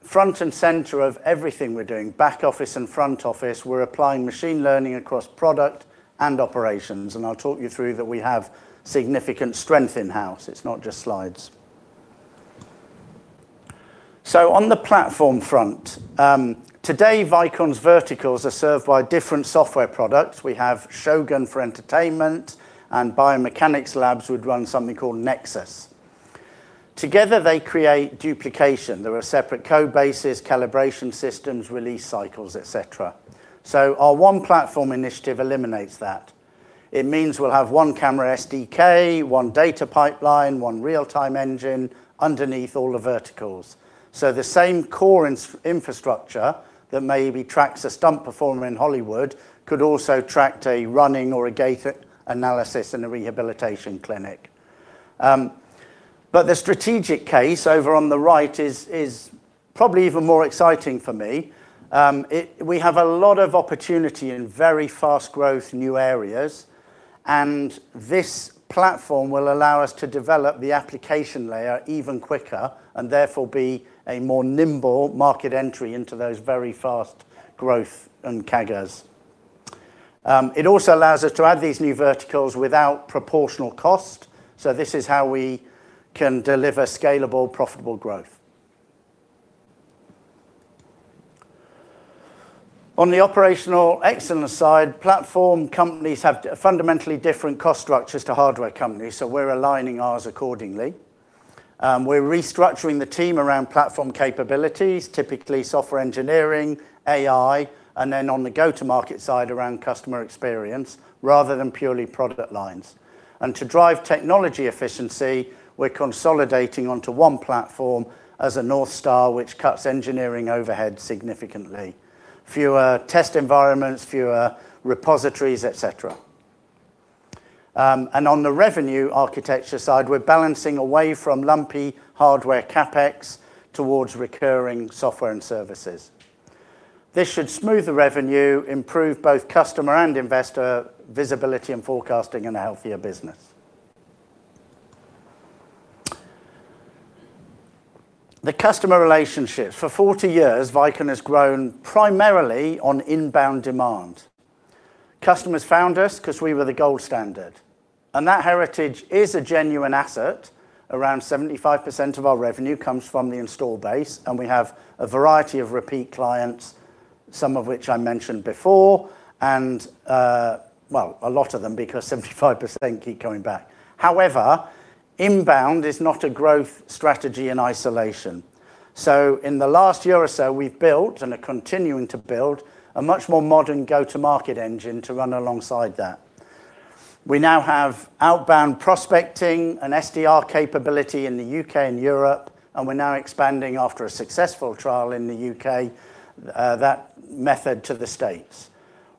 front and center of everything we're doing, back office and front office. We're applying machine learning across product and operations, and I'll talk you through that we have significant strength in-house. It's not just slides. On the platform front, today, Vicon's verticals are served by different software products. We have Shogun for entertainment, and biomechanics labs would run something called Nexus. Together, they create duplication. There are separate code bases, calibration systems, release cycles, et cetera. Our One Platform initiative eliminates that. It means we'll have one camera SDK, one data pipeline, one real-time engine underneath all the verticals. The same core infrastructure that maybe tracks a stunt performer in Hollywood could also track a running or a gait analysis in a rehabilitation clinic. The strategic case over on the right is probably even more exciting for me. We have a lot of opportunity in very fast growth new areas, and this platform will allow us to develop the application layer even quicker and therefore be a more nimble market entry into those very fast growth and CAGRs. It also allows us to add these new verticals without proportional cost, this is how we can deliver scalable, profitable growth. On the operational excellence side, platform companies have fundamentally different cost structures to hardware companies, we're aligning ours accordingly. We're restructuring the team around platform capabilities, typically software engineering, AI, and then on the go-to-market side around customer experience rather than purely product lines. To drive technology efficiency, we're consolidating onto one platform as a North Star, which cuts engineering overhead significantly. Fewer test environments, fewer repositories, et cetera. On the revenue architecture side, we're balancing away from lumpy hardware CapEx towards recurring software and services. This should smooth the revenue, improve both customer and investor visibility and forecasting, and a healthier business. The customer relationships. For 40 years, Vicon has grown primarily on inbound demand. Customers found us because we were the gold standard, and that heritage is a genuine asset. Around 75% of our revenue comes from the install base, and we have a variety of repeat clients, some of which I mentioned before, and, well, a lot of them, because 75% keep coming back. However, inbound is not a growth strategy in isolation. In the last year or so, we've built and are continuing to build a much more modern go-to-market engine to run alongside that. We now have outbound prospecting and SDR capability in the U.K. and Europe, and we're now expanding after a successful trial in the U.K., that method to the U.S.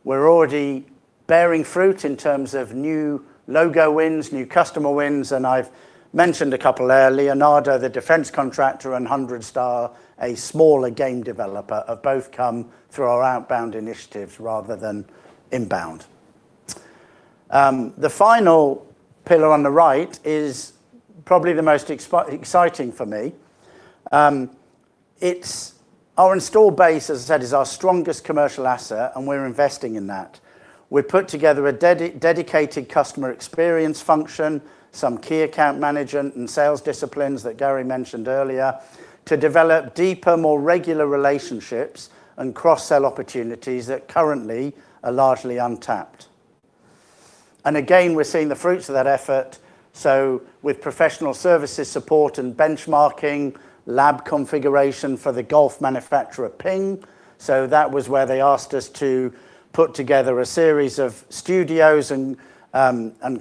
We're already bearing fruit in terms of new logo wins, new customer wins, and I've mentioned a couple there. Leonardo, the defense contractor, and Hundred Star, a smaller game developer, have both come through our outbound initiatives rather than inbound. The final pillar on the right is probably the most exciting for me. Our install base, as I said, is our strongest commercial asset, and we're investing in that. We've put together a dedicated customer experience function, some key account management and sales disciplines that Gary mentioned earlier to develop deeper, more regular relationships and cross-sell opportunities that currently are largely untapped. Again, we're seeing the fruits of that effort. With professional services support and benchmarking, lab configuration for the golf manufacturer PING. That was where they asked us to put together a series of studios and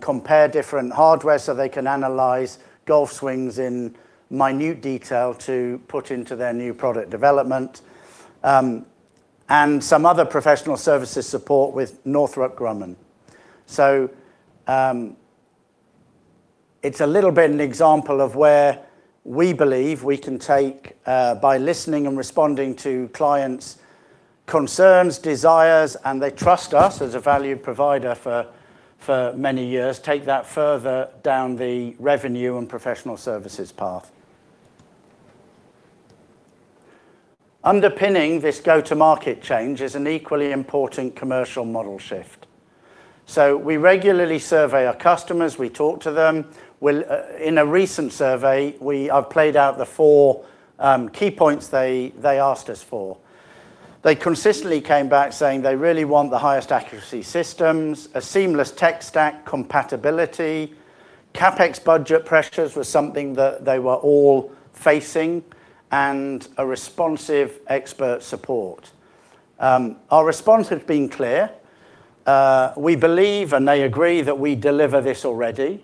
compare different hardware so they can analyze golf swings in minute detail to put into their new product development, and some other professional services support with Northrop Grumman. It's a little bit an example of where we believe we can take by listening and responding to clients' concerns, desires, and they trust us as a value provider for many years, take that further down the revenue and professional services path. Underpinning this go-to-market change is an equally important commercial model shift. We regularly survey our customers, we talk to them. In a recent survey, I've played out the four key points they asked us for. They consistently came back saying they really want the highest accuracy systems, a seamless tech stack compatibility, CapEx budget pressures was something that they were all facing, and a responsive expert support. Our response has been clear. We believe, and they agree, that we deliver this already.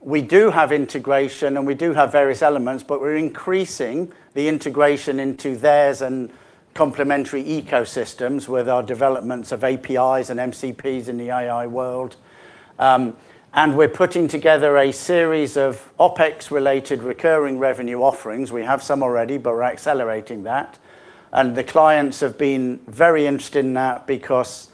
We do have integration and we do have various elements, but we're increasing the integration into theirs and complementary ecosystems with our developments of APIs and MCPs in the AI world. We're putting together a series of OpEx related recurring revenue offerings. We have some already, but we're accelerating that. The clients have been very interested in that because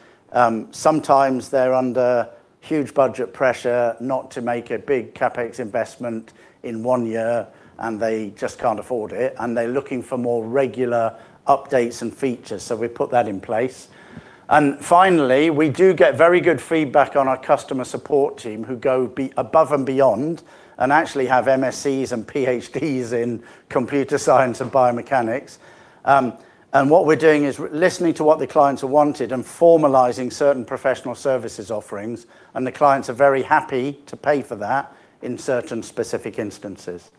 sometimes they're under huge budget pressure not to make a big CapEx investment in one year, and they just can't afford it, and they're looking for more regular updates and features. We put that in place. Finally, we do get very good feedback on our customer support team, who go above and beyond and actually have MSCs and PhDs in computer science and biomechanics. What we're doing is listening to what the clients have wanted and formalizing certain professional services offerings, and the clients are very happy to pay for that in certain specific instances.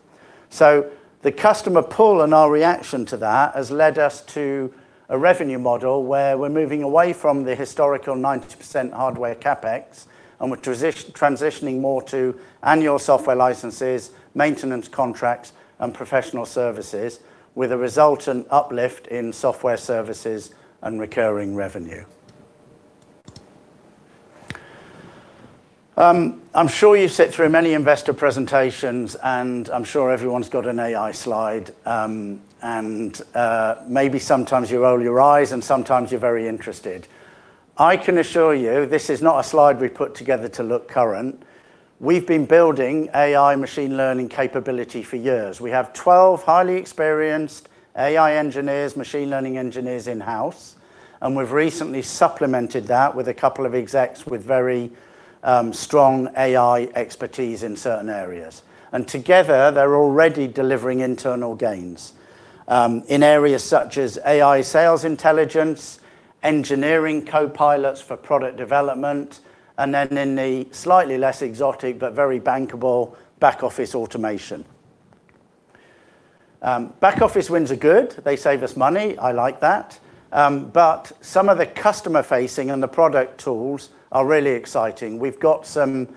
The customer pull and our reaction to that has led us to a revenue model where we're moving away from the historical 90% hardware CapEx, and we're transitioning more to annual software licenses, maintenance contracts, and professional services with a resultant uplift in software services and recurring revenue. I'm sure you've sit through many investor presentations, I'm sure everyone's got an AI slide, maybe sometimes you roll your eyes and sometimes you're very interested. I can assure you this is not a slide we put together to look current. We've been building AI machine learning capability for years. We have 12 highly experienced AI engineers, machine learning engineers in-house, and we've recently supplemented that with a couple of execs with very strong AI expertise in certain areas. Together, they're already delivering internal gains in areas such as AI sales intelligence, engineering copilots for product development, then in the slightly less exotic but very bankable back office automation. Back office wins are good. They save us money. I like that. Some of the customer facing and the product tools are really exciting. We've got some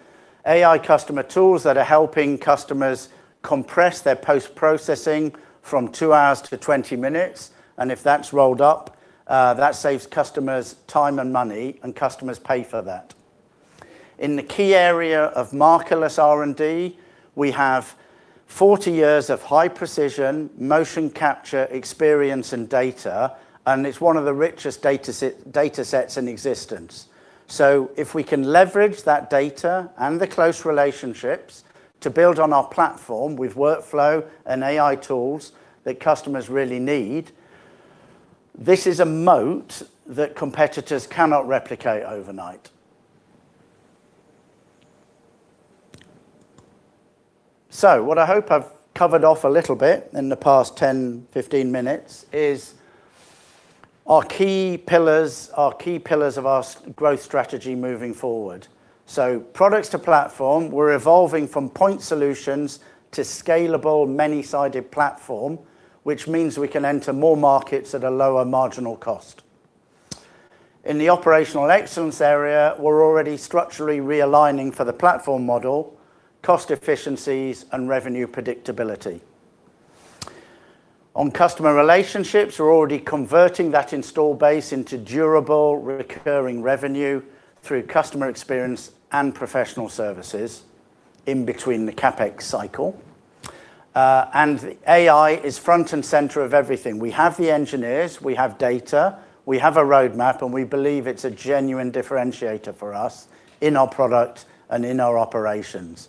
AI customer tools that are helping customers compress their post-processing from two hours to 20 minutes, and if that's rolled up, that saves customers time and money, and customers pay for that. In the key area of Markerless R&D, we have 40 years of high precision motion capture experience and data, and it's one of the richest data sets in existence. If we can leverage that data and the close relationships to build on our platform with workflow and AI tools that customers really need, this is a moat that competitors cannot replicate overnight. What I hope I've covered off a little bit in the past 10, 15 minutes is our key pillars of our growth strategy moving forward. Products to platform, we're evolving from point solutions to scalable, many-sided platform, which means we can enter more markets at a lower marginal cost. In the operational excellence area, we're already structurally realigning for the platform model, cost efficiencies, and revenue predictability. On customer relationships, we're already converting that install base into durable, recurring revenue through customer experience and professional services in between the CapEx cycle. AI is front and center of everything. We have the engineers, we have data, we have a roadmap, and we believe it's a genuine differentiator for us in our product and in our operations.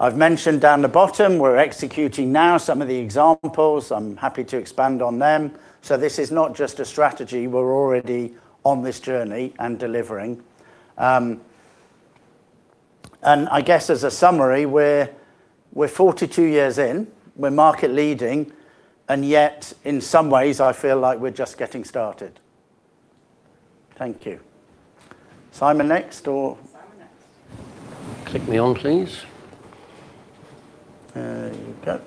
I've mentioned down the bottom, we're executing now some of the examples. I'm happy to expand on them. This is not just a strategy. We're already on this journey and delivering. I guess as a summary, we're 42 years in, we're market leading, and yet in some ways I feel like we're just getting started. Thank you. Simon next. Click me on, please. There you go.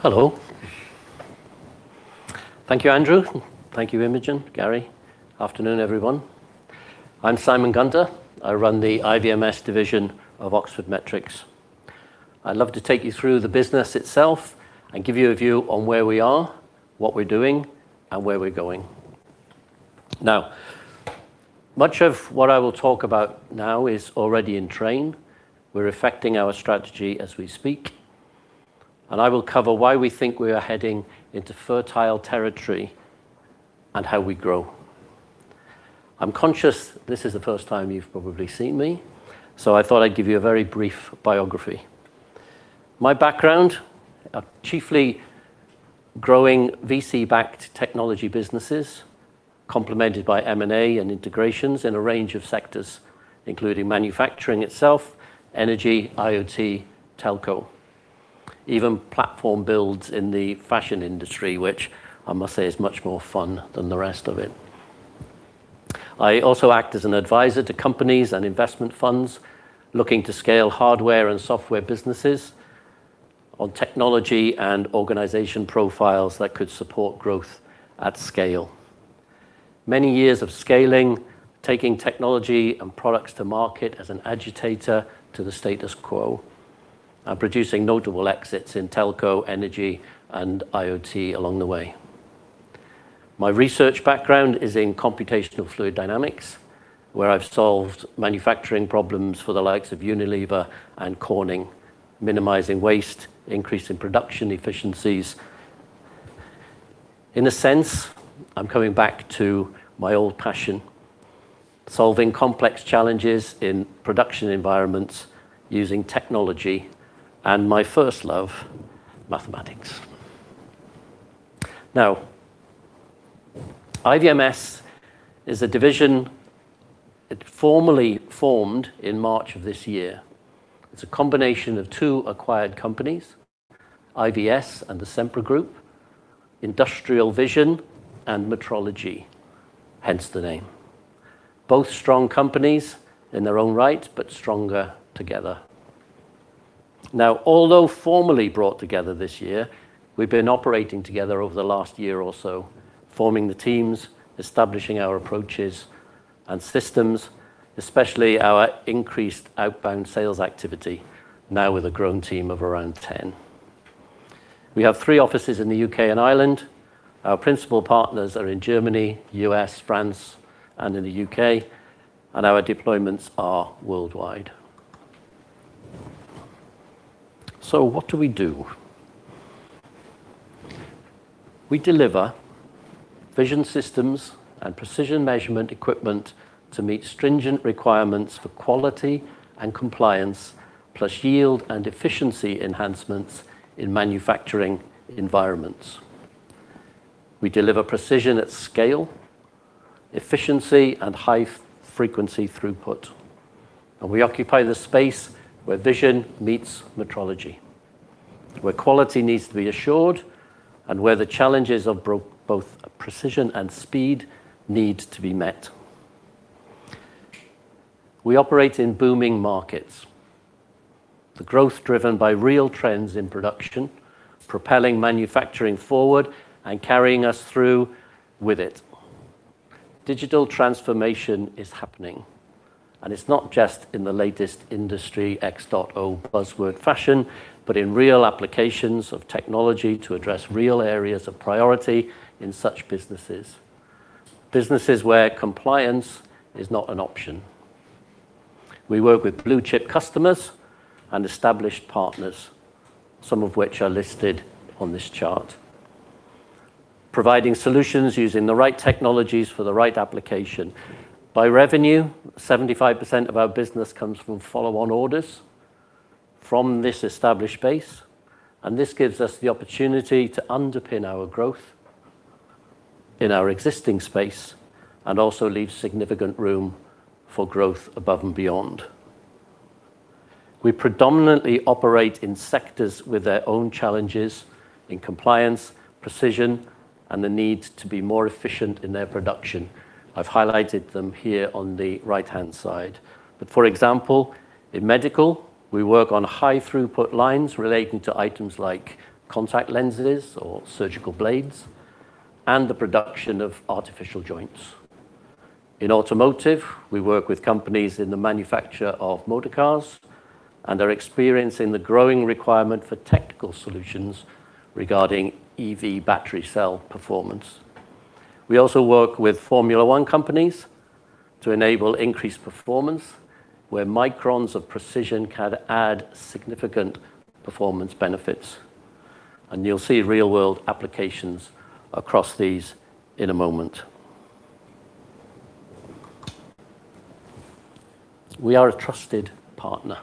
Hello. Thank you, Andrew. Thank you, Imogen, Gary. Afternoon, everyone. I'm Simon Gunter. I run the IVMS division of Oxford Metrics. I'd love to take you through the business itself and give you a view on where we are, what we're doing, and where we're going. Much of what I will talk about now is already in train. We're effecting our strategy as we speak. I will cover why we think we are heading into fertile territory and how we grow. I'm conscious this is the first time you've probably seen me. I thought I'd give you a very brief biography. My background, chiefly growing VC-backed technology businesses complemented by M&A and integrations in a range of sectors, including manufacturing itself, energy, IoT, telco. Even platform builds in the fashion industry, which I must say is much more fun than the rest of it. I also act as an Advisor to companies and investment funds looking to scale hardware and software businesses on technology and organization profiles that could support growth at scale. Many years of scaling, taking technology and products to market as an agitator to the status quo, and producing notable exits in telco, energy, and IoT along the way. My research background is in Computational Fluid Dynamics, where I've solved manufacturing problems for the likes of Unilever and Corning, minimizing waste, increasing production efficiencies. In a sense, I'm coming back to my old passion, solving complex challenges in production environments using technology and my first love, mathematics. IVMS is a division formerly formed in March of this year. It's a combination of two acquired companies, IVS and the Sempre Group, Industrial Vision and Metrology, hence the name. Both strong companies in their own right, but stronger together. Although formally brought together this year, we've been operating together over the last year or so, forming the teams, establishing our approaches and systems, especially our increased outbound sales activity, with a growing team of around 10. We have three offices in the U.K. and Ireland. Our principal partners are in Germany, U.S., France, and in the U.K., and our deployments are worldwide. What do we do? We deliver vision systems and precision measurement equipment to meet stringent requirements for quality and compliance, plus yield and efficiency enhancements in manufacturing environments. We deliver precision at scale, efficiency, and high-frequency throughput. We occupy the space where vision meets metrology, where quality needs to be assured, and where the challenges of both precision and speed need to be met. We operate in booming markets, the growth driven by real trends in production, propelling manufacturing forward and carrying us through with it. Digital transformation is happening, and it's not just in the latest Industry 4.0 buzzword fashion, but in real applications of technology to address real areas of priority in such businesses. Businesses where compliance is not an option. We work with blue-chip customers and established partners, some of which are listed on this chart, providing solutions using the right technologies for the right application. By revenue, 75% of our business comes from follow-on orders from this established base, and this gives us the opportunity to underpin our growth in our existing space and also leaves significant room for growth above and beyond. We predominantly operate in sectors with their own challenges in compliance, precision, and the need to be more efficient in their production. I've highlighted them here on the right-hand side. For example, in medical, we work on high-throughput lines relating to items like contact lenses or surgical blades and the production of artificial joints. In automotive, we work with companies in the manufacture of motor cars and are experiencing the growing requirement for technical solutions regarding EV battery cell performance. We also work with Formula One companies to enable increased performance where microns of precision can add significant performance benefits. You'll see real-world applications across these in a moment. We are a trusted partner.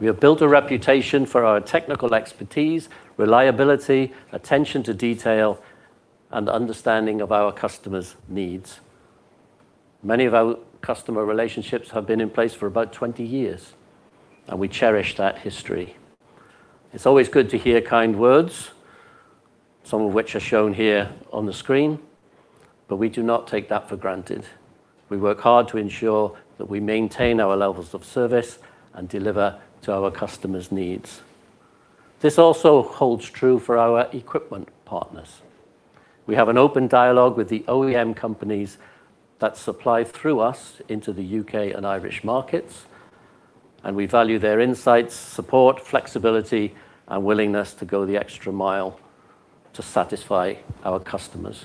We have built a reputation for our technical expertise, reliability, attention to detail, and understanding of our customers' needs. Many of our customer relationships have been in place for about 20 years, and we cherish that history. It's always good to hear kind words, some of which are shown here on the screen, we do not take that for granted. We work hard to ensure that we maintain our levels of service and deliver to our customers' needs. This also holds true for our equipment partners. We have an open dialogue with the OEM companies that supply through us into the U.K. and Irish markets, we value their insights, support, flexibility, and willingness to go the extra mile to satisfy our customers.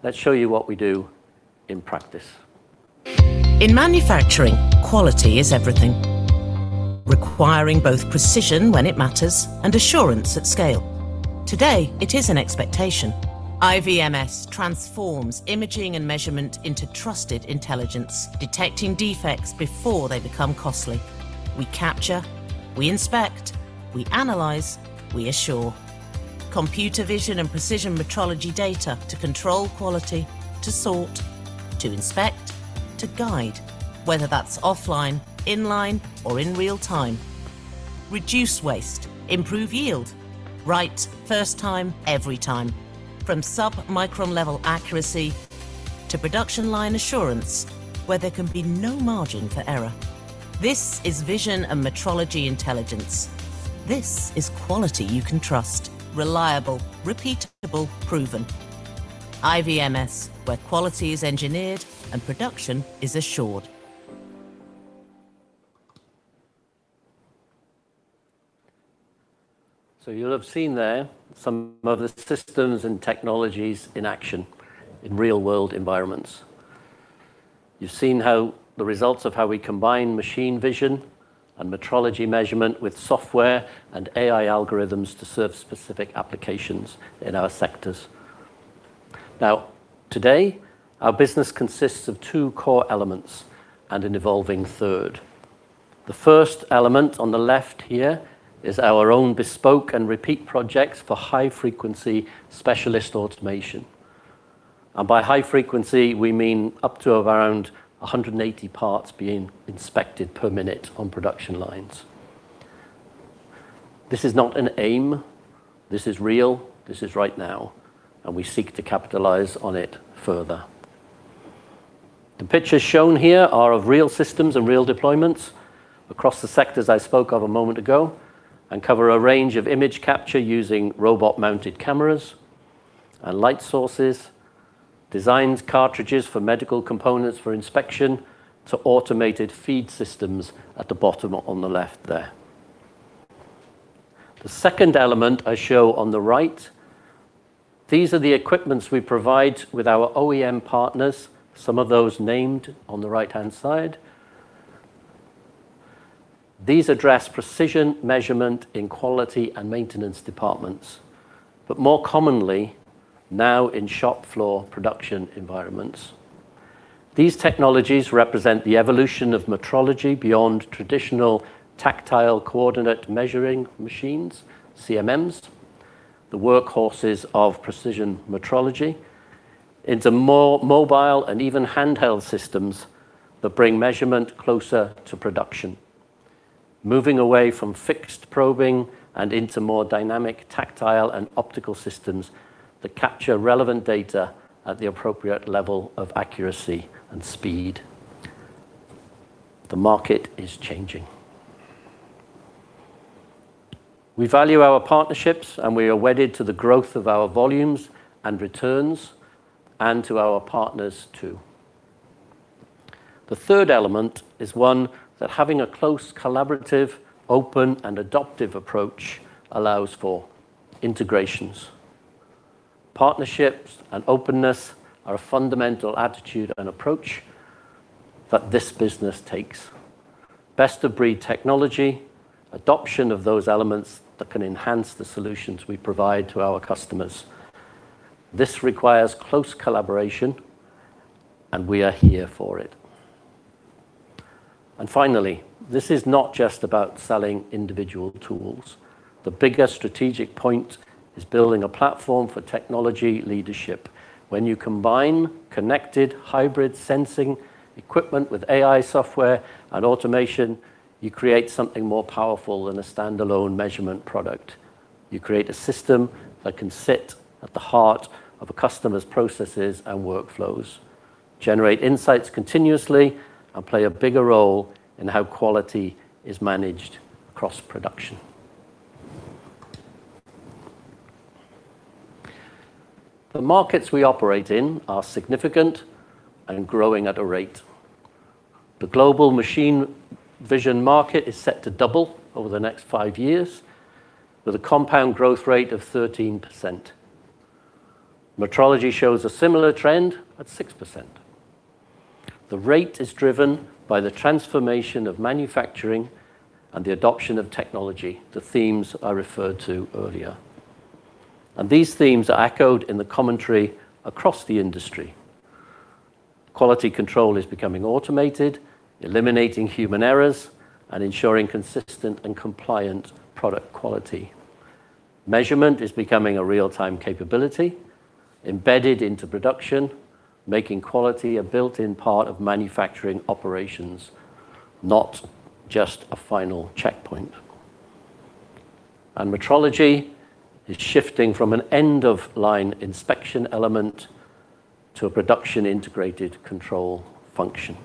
Let's show you what we do in practice. In manufacturing, quality is everything, requiring both precision when it matters and assurance at scale. Today, it is an expectation. IVMS transforms imaging and measurement into trusted intelligence, detecting defects before they become costly. We capture, we inspect, we analyze, we assure. Computer vision and precision metrology data to control quality, to sort, to inspect, to guide, whether that's offline, in-line, or in real-time. Reduce waste, improve yield, right first time, every time. From submicron level accuracy to production line assurance where there can be no margin for error. This is vision and metrology intelligence. This is quality you can trust. Reliable, repeatable, proven. IVMS, where quality is engineered and production is assured. You'll have seen there some of the systems and technologies in action in real-world environments. You've seen the results of how we combine machine vision and metrology measurement with software and AI algorithms to serve specific applications in our sectors. Today, our business consists of two core elements and an evolving third. The first element on the left here is our own bespoke and repeat projects for high-frequency specialist automation. By high frequency, we mean up to around 180 parts being inspected per minute on production lines. This is not an aim, this is real, this is right now, and we seek to capitalize on it further. The pictures shown here are of real systems and real deployments across the sectors I spoke of a moment ago, and cover a range of image capture using robot-mounted cameras and light sources, designed cartridges for medical components for inspection, to automated feed systems at the bottom on the left there. The second element I show on the right, these are the equipment we provide with our OEM partners, some of those named on the right-hand side. These address precision measurement in quality and maintenance departments, but more commonly now in shop floor production environments. These technologies represent the evolution of metrology beyond traditional tactile coordinate measuring machines, CMMs, the workhorses of precision metrology, into more mobile and even handheld systems that bring measurement closer to production, moving away from fixed probing and into more dynamic tactile and optical systems that capture relevant data at the appropriate level of accuracy and speed. The market is changing. We value our partnerships, and we are wedded to the growth of our volumes and returns, and to our partners, too. The third element is one that having a close, collaborative, open, and adoptive approach allows for. Integrations. Partnerships and openness are a fundamental attitude and approach that this business takes. Best-of-breed technology, adoption of those elements that can enhance the solutions we provide to our customers. This requires close collaboration, and we are here for it. Finally, this is not just about selling individual tools. The bigger strategic point is building a platform for technology leadership. When you combine connected hybrid sensing equipment with AI software and automation, you create something more powerful than a standalone measurement product. You create a system that can sit at the heart of a customer's processes and workflows, generate insights continuously, and play a bigger role in how quality is managed across production. The markets we operate in are significant and growing at a rate. The global machine vision market is set to double over the next five years with a compound growth rate of 13%. Metrology shows a similar trend at 6%. The rate is driven by the transformation of manufacturing and the adoption of technology, the themes I referred to earlier. These themes are echoed in the commentary across the industry. Quality control is becoming automated, eliminating human errors, and ensuring consistent and compliant product quality. Measurement is becoming a real-time capability, embedded into production, making quality a built-in part of manufacturing operations, not just a final checkpoint. Metrology is shifting from an end-of-line inspection element to a production integrated control function.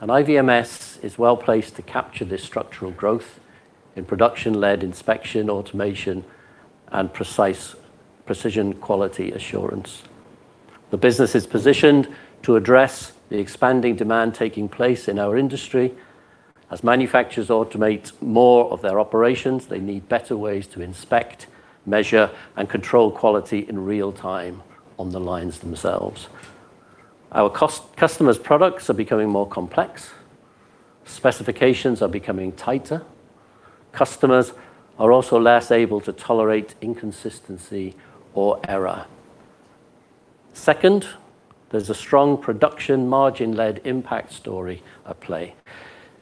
IVMS is well-placed to capture this structural growth in production-led inspection, automation, and precise precision quality assurance. The business is positioned to address the expanding demand taking place in our industry. As manufacturers automate more of their operations, they need better ways to inspect, measure, and control quality in real time on the lines themselves. Our customers' products are becoming more complex. Specifications are becoming tighter. Customers are also less able to tolerate inconsistency or error. Second, there's a strong production margin-led impact story at play.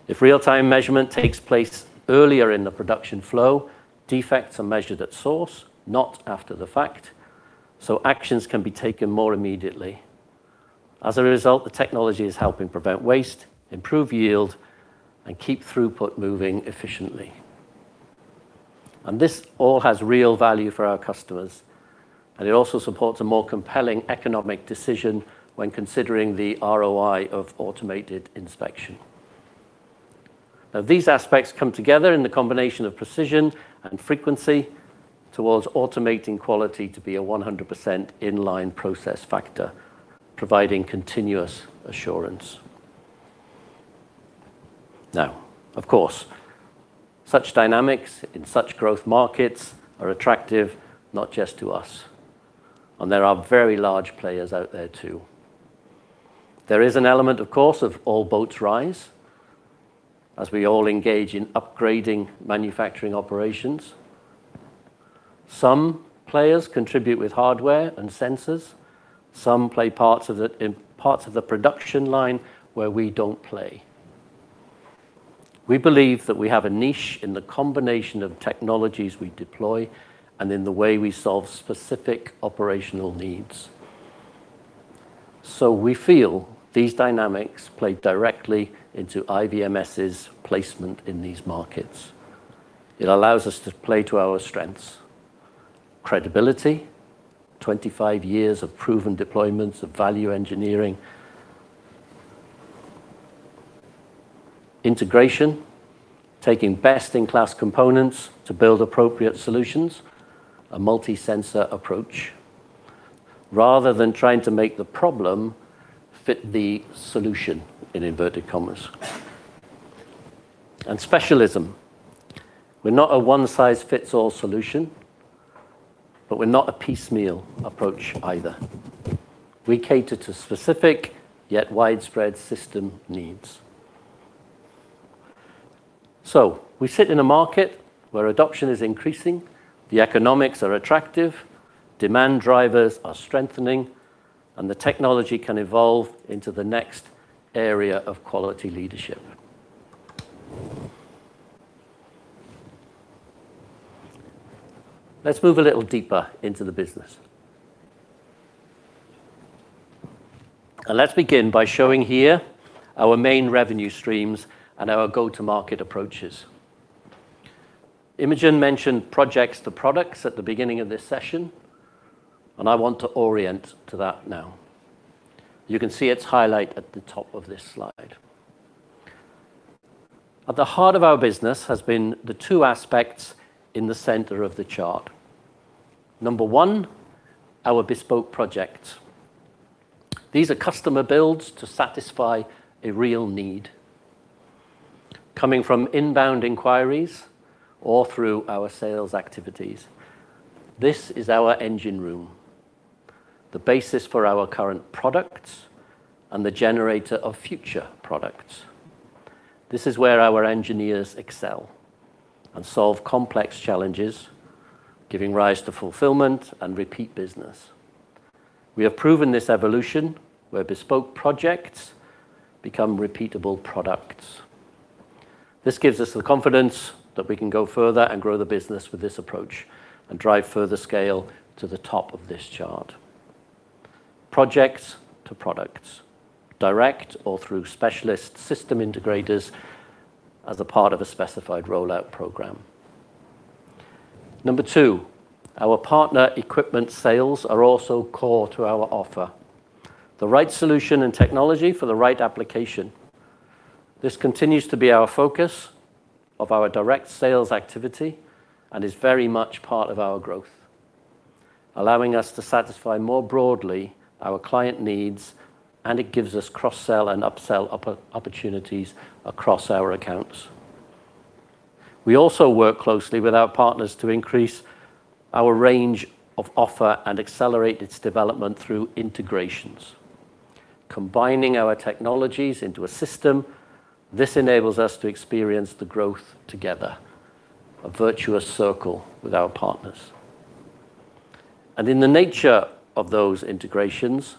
If real-time measurement takes place earlier in the production flow, defects are measured at source, not after the fact. Actions can be taken more immediately. As a result, the technology is helping prevent waste, improve yield, and keep throughput moving efficiently. This all has real value for our customers, and it also supports a more compelling economic decision when considering the ROI of automated inspection. These aspects come together in the combination of precision and frequency towards automating quality to be a 100% in-line process factor, providing continuous assurance. Of course, such dynamics in such growth markets are attractive not just to us, there are very large players out there too. There is an element, of course, of all boats rise as we all engage in upgrading manufacturing operations. Some players contribute with hardware and sensors. Some play parts of the production line where we don't play. We believe that we have a niche in the combination of technologies we deploy and in the way we solve specific operational needs. We feel these dynamics play directly into IVMS's placement in these markets. It allows us to play to our strengths. Credibility, 25 years of proven deployments of value engineering. Integration, taking best-in-class components to build appropriate solutions, a multi-sensor approach, rather than trying to make the problem fit the solution in inverted commas. Specialism. We're not a one-size-fits-all solution, but we're not a piecemeal approach either. We cater to specific yet widespread system needs. We sit in a market where adoption is increasing, the economics are attractive, demand drivers are strengthening, and the technology can evolve into the next area of quality leadership. Let's move a little deeper into the business. Let's begin by showing here our main revenue streams and our go-to-market approaches. Imogen mentioned projects to products at the beginning of this session, and I want to orient to that now. You can see its highlight at the top of this slide. At the heart of our business has been the two aspects in the center of the chart. Number one, our bespoke projects. These are customer builds to satisfy a real need. Coming from inbound inquiries or through our sales activities, this is our engine room, the basis for our current products and the generator of future products. This is where our engineers excel and solve complex challenges, giving rise to fulfillment and repeat business. We have proven this evolution where bespoke projects become repeatable products. This gives us the confidence that we can go further and grow the business with this approach and drive further scale to the top of this chart. Projects to products, direct or through specialist system integrators as a part of a specified rollout program. Number two, our partner equipment sales are also core to our offer. The right solution and technology for the right application. This continues to be our focus of our direct sales activity and is very much part of our growth, allowing us to satisfy more broadly our client needs, and it gives us cross-sell and upsell opportunities across our accounts. We also work closely with our partners to increase our range of offer and accelerate its development through integrations. Combining our technologies into a system, this enables us to experience the growth together, a virtuous circle with our partners. In the nature of those integrations,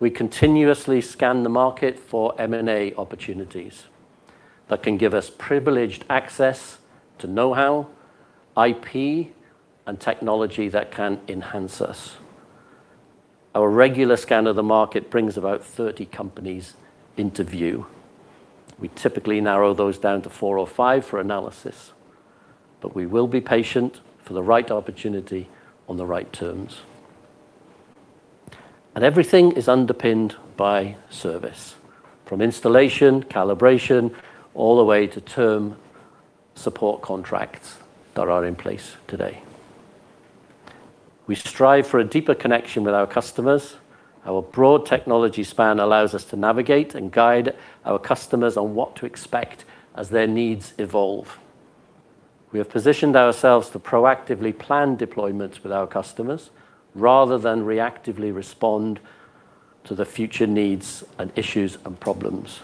we continuously scan the market for M&A opportunities that can give us privileged access to knowhow, IP, and technology that can enhance us. Our regular scan of the market brings about 30 companies into view. We typically narrow those down to four or five for analysis, but we will be patient for the right opportunity on the right terms. Everything is underpinned by service, from installation, calibration, all the way to term support contracts that are in place today. We strive for a deeper connection with our customers. Our broad technology span allows us to navigate and guide our customers on what to expect as their needs evolve. We have positioned ourselves to proactively plan deployments with our customers rather than reactively respond to the future needs and issues and problems.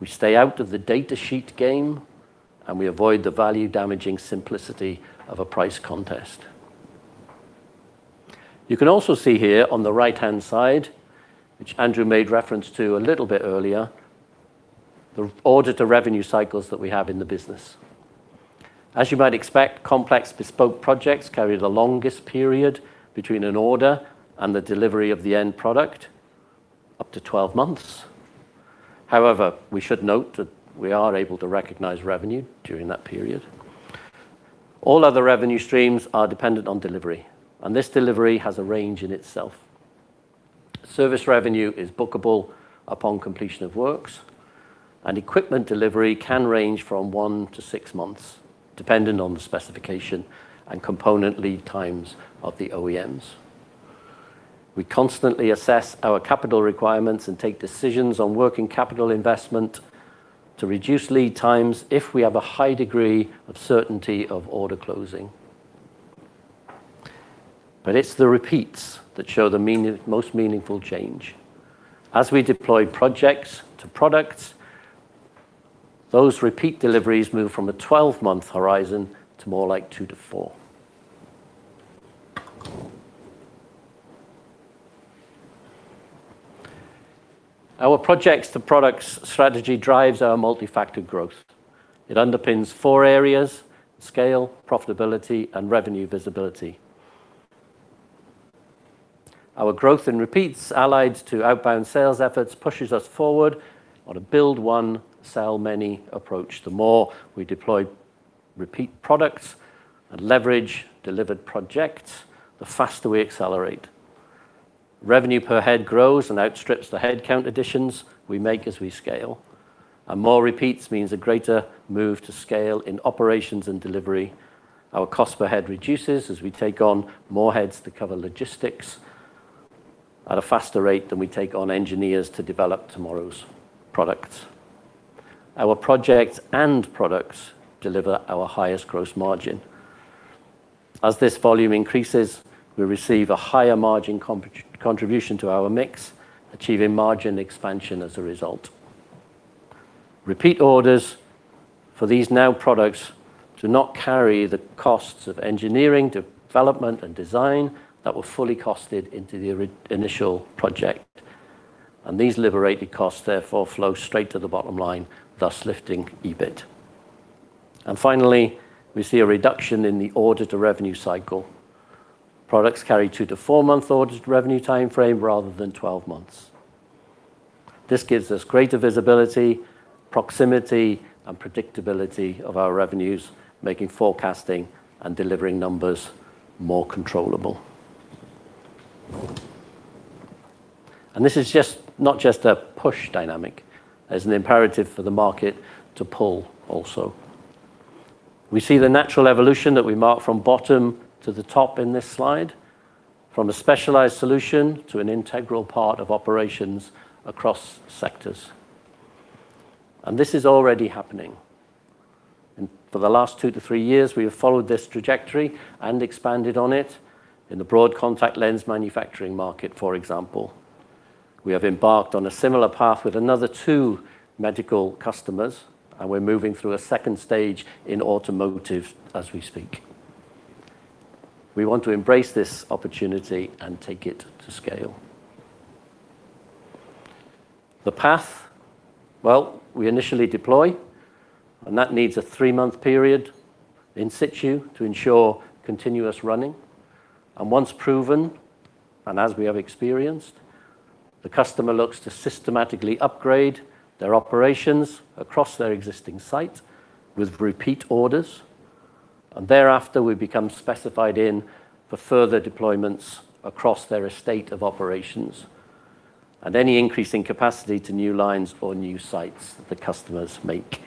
We stay out of the data sheet game, and we avoid the value-damaging simplicity of a price contest. You can also see here on the right-hand side, which Andrew made reference to a little bit earlier, the order to revenue cycles that we have in the business. As you might expect, complex bespoke projects carry the longest period between an order and the delivery of the end product, up to 12 months. However, we should note that we are able to recognize revenue during that period. All other revenue streams are dependent on delivery, and this delivery has a range in itself. Service revenue is bookable upon completion of works, and equipment delivery can range from one to six months, dependent on the specification and component lead times of the OEMs. We constantly assess our capital requirements and take decisions on working capital investment to reduce lead times if we have a high degree of certainty of order closing. It's the repeats that show the most meaningful change. As we deploy projects to products, those repeat deliveries move from a 12-month horizon to more like two to four. Our projects to products strategy drives our multi-factor growth. It underpins four areas: scale, profitability, and revenue visibility. Our growth in repeats, allied to outbound sales efforts, pushes us forward on a build one, sell many approach. The more we deploy repeat products and leverage delivered projects, the faster we accelerate. Revenue per head grows and outstrips the head count additions we make as we scale. More repeats means a greater move to scale in operations and delivery. Our cost per head reduces as we take on more heads to cover logistics at a faster rate than we take on engineers to develop tomorrow's products. Our projects and products deliver our highest gross margin. As this volume increases, we receive a higher margin contribution to our mix, achieving margin expansion as a result. Repeat orders for these now products do not carry the costs of engineering, development, and design that were fully costed into the initial project. These liberated costs therefore flow straight to the bottom line, thus lifting EBIT. Finally, we see a reduction in the order to revenue cycle. Products carry two to four month order to revenue timeframe rather than 12 months. This gives us greater visibility, proximity, and predictability of our revenues, making forecasting and delivering numbers more controllable. This is not just a push dynamic. There's an imperative for the market to pull also. We see the natural evolution that we mark from bottom to the top in this slide, from a specialized solution to an integral part of operations across sectors. This is already happening. For the last two to three years, we have followed this trajectory and expanded on it in the broad contact lens manufacturing market, for example. We have embarked on a similar path with another two medical customers, we're moving through a second stage in automotive as we speak. We want to embrace this opportunity and take it to scale. The path, well, we initially deploy, that needs a three-month period in situ to ensure continuous running. Once proven, as we have experienced, the customer looks to systematically upgrade their operations across their existing site with repeat orders. Thereafter, we become specified in for further deployments across their estate of operations and any increase in capacity to new lines or new sites that the customers make.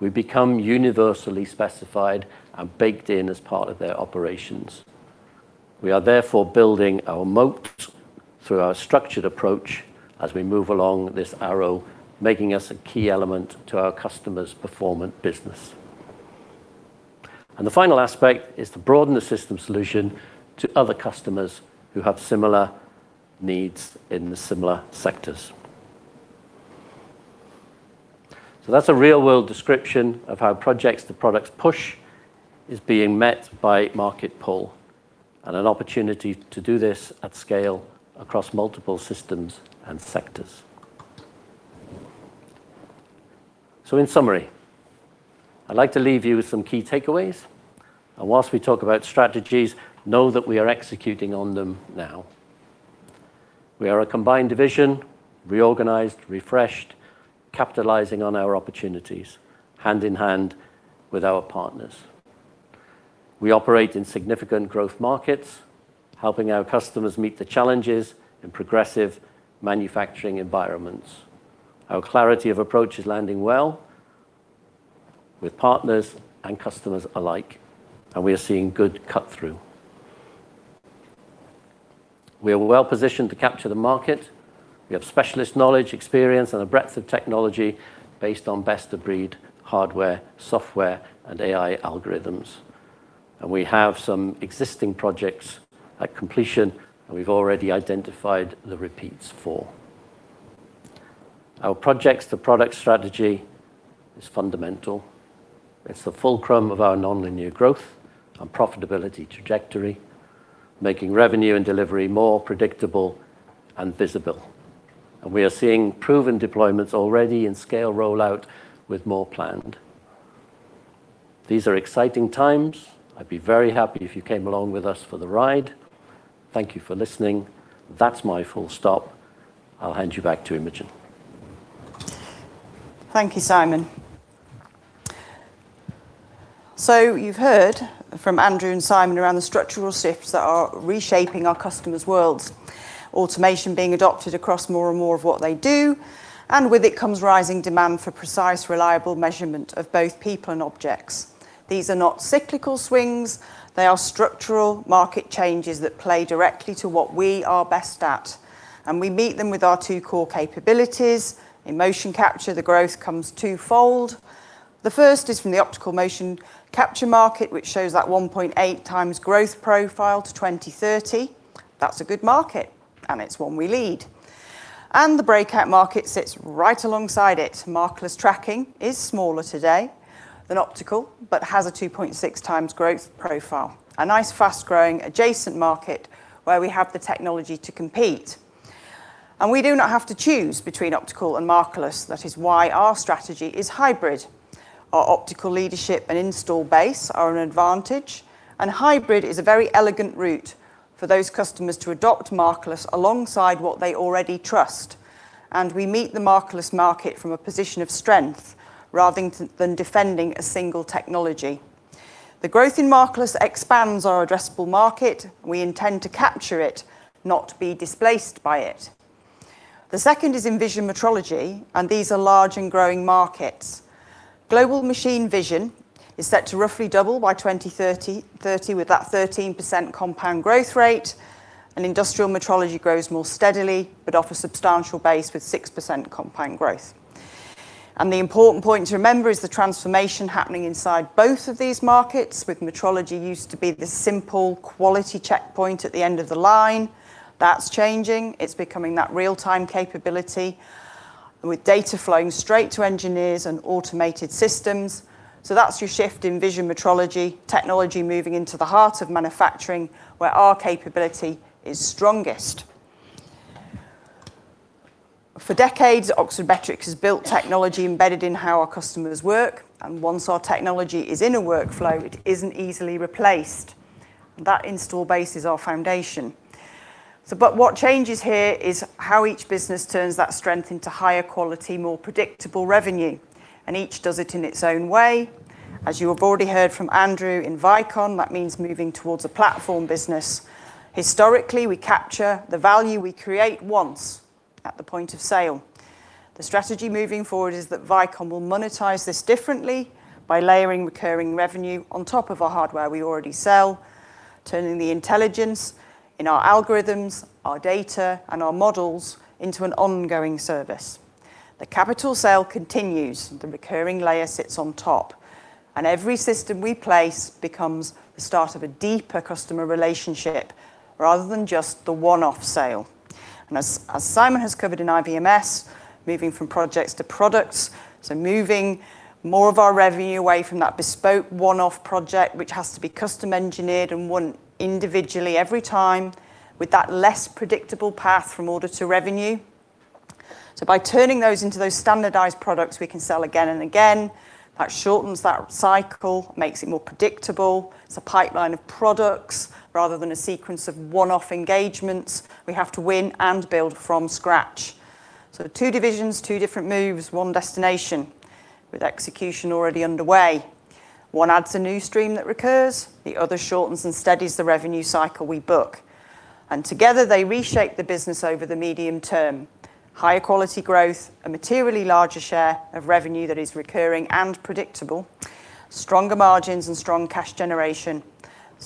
We become universally specified and baked in as part of their operations. We are therefore building our moat through our structured approach as we move along this arrow, making us a key element to our customers' performant business. The final aspect is to broaden the system solution to other customers who have similar needs in the similar sectors. That's a real-world description of how projects to products push is being met by market pull, and an opportunity to do this at scale across multiple systems and sectors. In summary, I'd like to leave you with some key takeaways. Whilst we talk about strategies, know that we are executing on them now. We are a combined division, reorganized, refreshed, capitalizing on our opportunities hand in hand with our partners. We operate in significant growth markets, helping our customers meet the challenges in progressive manufacturing environments. Our clarity of approach is landing well with partners and customers alike, we are seeing good cut-through. We are well positioned to capture the market. We have specialist knowledge, experience, and a breadth of technology based on best-of-breed hardware, software, and AI algorithms. We have some existing projects at completion, and we've already identified the repeats for. Our projects to product strategy. It's fundamental. It's the fulcrum of our nonlinear growth and profitability trajectory, making revenue and delivery more predictable and visible. We are seeing proven deployments already in scale rollout with more planned. These are exciting times. I'd be very happy if you came along with us for the ride. Thank you for listening. That's my full stop. I'll hand you back to Imogen. Thank you, Simon. You've heard from Andrew and Simon around the structural shifts that are reshaping our customers' worlds. Automation being adopted across more and more of what they do, and with it comes rising demand for precise, reliable measurement of both people and objects. These are not cyclical swings. They are structural market changes that play directly to what we are best at, and we meet them with our two core capabilities. In motion capture, the growth comes twofold. The first is from the optical motion capture market, which shows that 1.8x growth profile to 2030. That's a good market, and it's one we lead. The breakout market sits right alongside it. Markerless tracking is smaller today than optical but has a 2.6x growth profile. A nice, fast-growing adjacent market where we have the technology to compete. We do not have to choose between optical and Markerless. That is why our strategy is hybrid. Our optical leadership and install base are an advantage, and hybrid is a very elegant route for those customers to adopt Markerless alongside what they already trust. We meet the Markerless market from a position of strength rather than defending a single technology. The growth in Markerless expands our addressable market. We intend to capture it, not be displaced by it. The second is in vision metrology, and these are large and growing markets. Global machine vision is set to roughly double by 2030, with that 13% compound growth rate, and industrial metrology grows more steadily but offer substantial base with 6% compound growth. The important point to remember is the transformation happening inside both of these markets with metrology used to be this simple quality checkpoint at the end of the line. That's changing. It's becoming that real-time capability and with data flowing straight to engineers and automated systems. That's your shift in vision metrology, technology moving into the heart of manufacturing where our capability is strongest. For decades, Oxford Metrics has built technology embedded in how our customers work, and once our technology is in a workflow, it isn't easily replaced. That install base is our foundation. What changes here is how each business turns that strength into higher quality, more predictable revenue, and each does it in its own way. As you have already heard from Andrew in Vicon, that means moving towards a platform business. Historically, we capture the value we create once at the point of sale. The strategy moving forward is that Vicon will monetize this differently by layering recurring revenue on top of our hardware we already sell, turning the intelligence in our algorithms, our data, and our models into an ongoing service. The capital sale continues, the recurring layer sits on top, and every system we place becomes the start of a deeper customer relationship rather than just the one-off sale. As Simon has covered in IVMS, moving from projects to products, moving more of our revenue away from that bespoke one-off project, which has to be custom engineered and won individually every time with that less predictable path from order to revenue. By turning those into those standardized products we can sell again and again, that shortens that cycle, makes it more predictable. It's a pipeline of products rather than a sequence of one-off engagements we have to win and build from scratch. Two divisions, two different moves, one destination with execution already underway. One adds a new stream that recurs, the other shortens and steadies the revenue cycle we book. Together, they reshape the business over the medium term. Higher quality growth, a materially larger share of revenue that is recurring and predictable, stronger margins, and strong cash generation.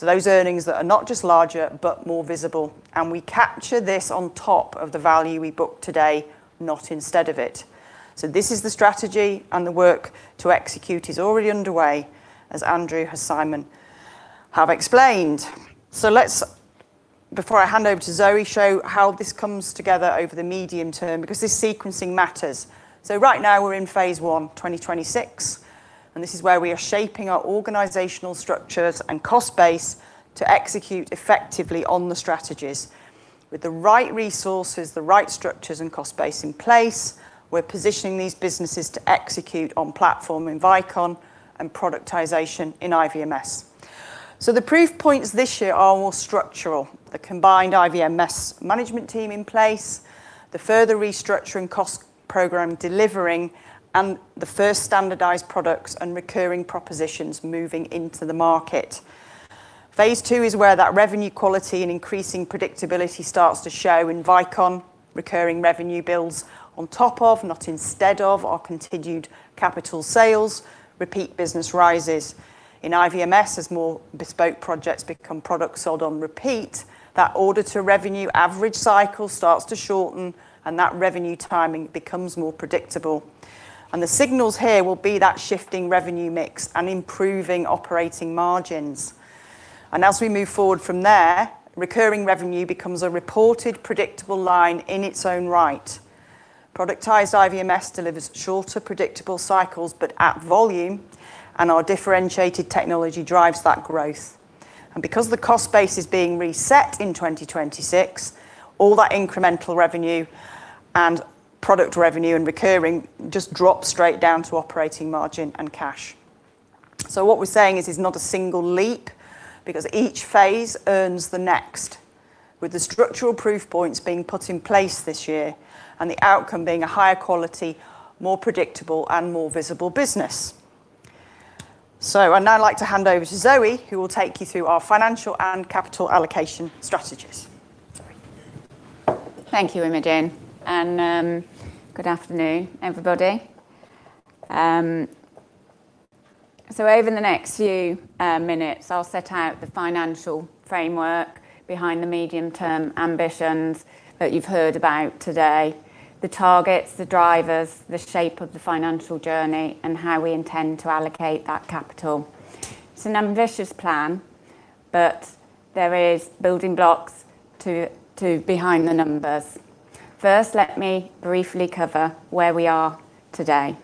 Those earnings that are not just larger but more visible, and we capture this on top of the value we book today, not instead of it. This is the strategy, and the work to execute is already underway, as Andrew and Simon have explained. Let's, before I hand over to Zoe, show how this comes together over the medium term because this sequencing matters. Right now we're in phase I, 2024 and this is where we are shaping our organizational structures and cost base to execute effectively on the strategies. With the right resources, the right structures, and cost base in place, we're positioning these businesses to execute on platform in Vicon and productization in IVMS. The proof points this year are more structural. The combined IVMS management team in place, the further restructuring cost program delivering, and the first standardized products and recurring propositions moving into the market. Phase II is where that revenue quality and increasing predictability starts to show in Vicon. Recurring revenue builds on top of, not instead of, our continued capital sales. Repeat business rises in IVMS as more bespoke projects become products sold on repeat. That order-to-revenue average cycle starts to shorten, and that revenue timing becomes more predictable. The signals here will be that shifting revenue mix and improving operating margins. As we move forward from there, recurring revenue becomes a reported predictable line in its own right. Productized IVMS delivers shorter predictable cycles, but at volume, and our differentiated technology drives that growth. Because the cost base is being reset in 2026, all that incremental revenue and product revenue and recurring just drops straight down to operating margin and cash. What we're saying is it's not a single leap, because each phase earns the next, with the structural proof points being put in place this year, and the outcome being a higher quality, more predictable and more visible business. I'd now like to hand over to Zoe, who will take you through our financial and capital allocation strategies. Zoe? Thank you, Imogen. Good afternoon, everybody. Over the next few minutes, I'll set out the financial framework behind the medium-term ambitions that you've heard about today, the targets, the drivers, the shape of the financial journey, and how we intend to allocate that capital. It's an ambitious plan, but there is building blocks behind the numbers. First, let me briefly cover where we are today.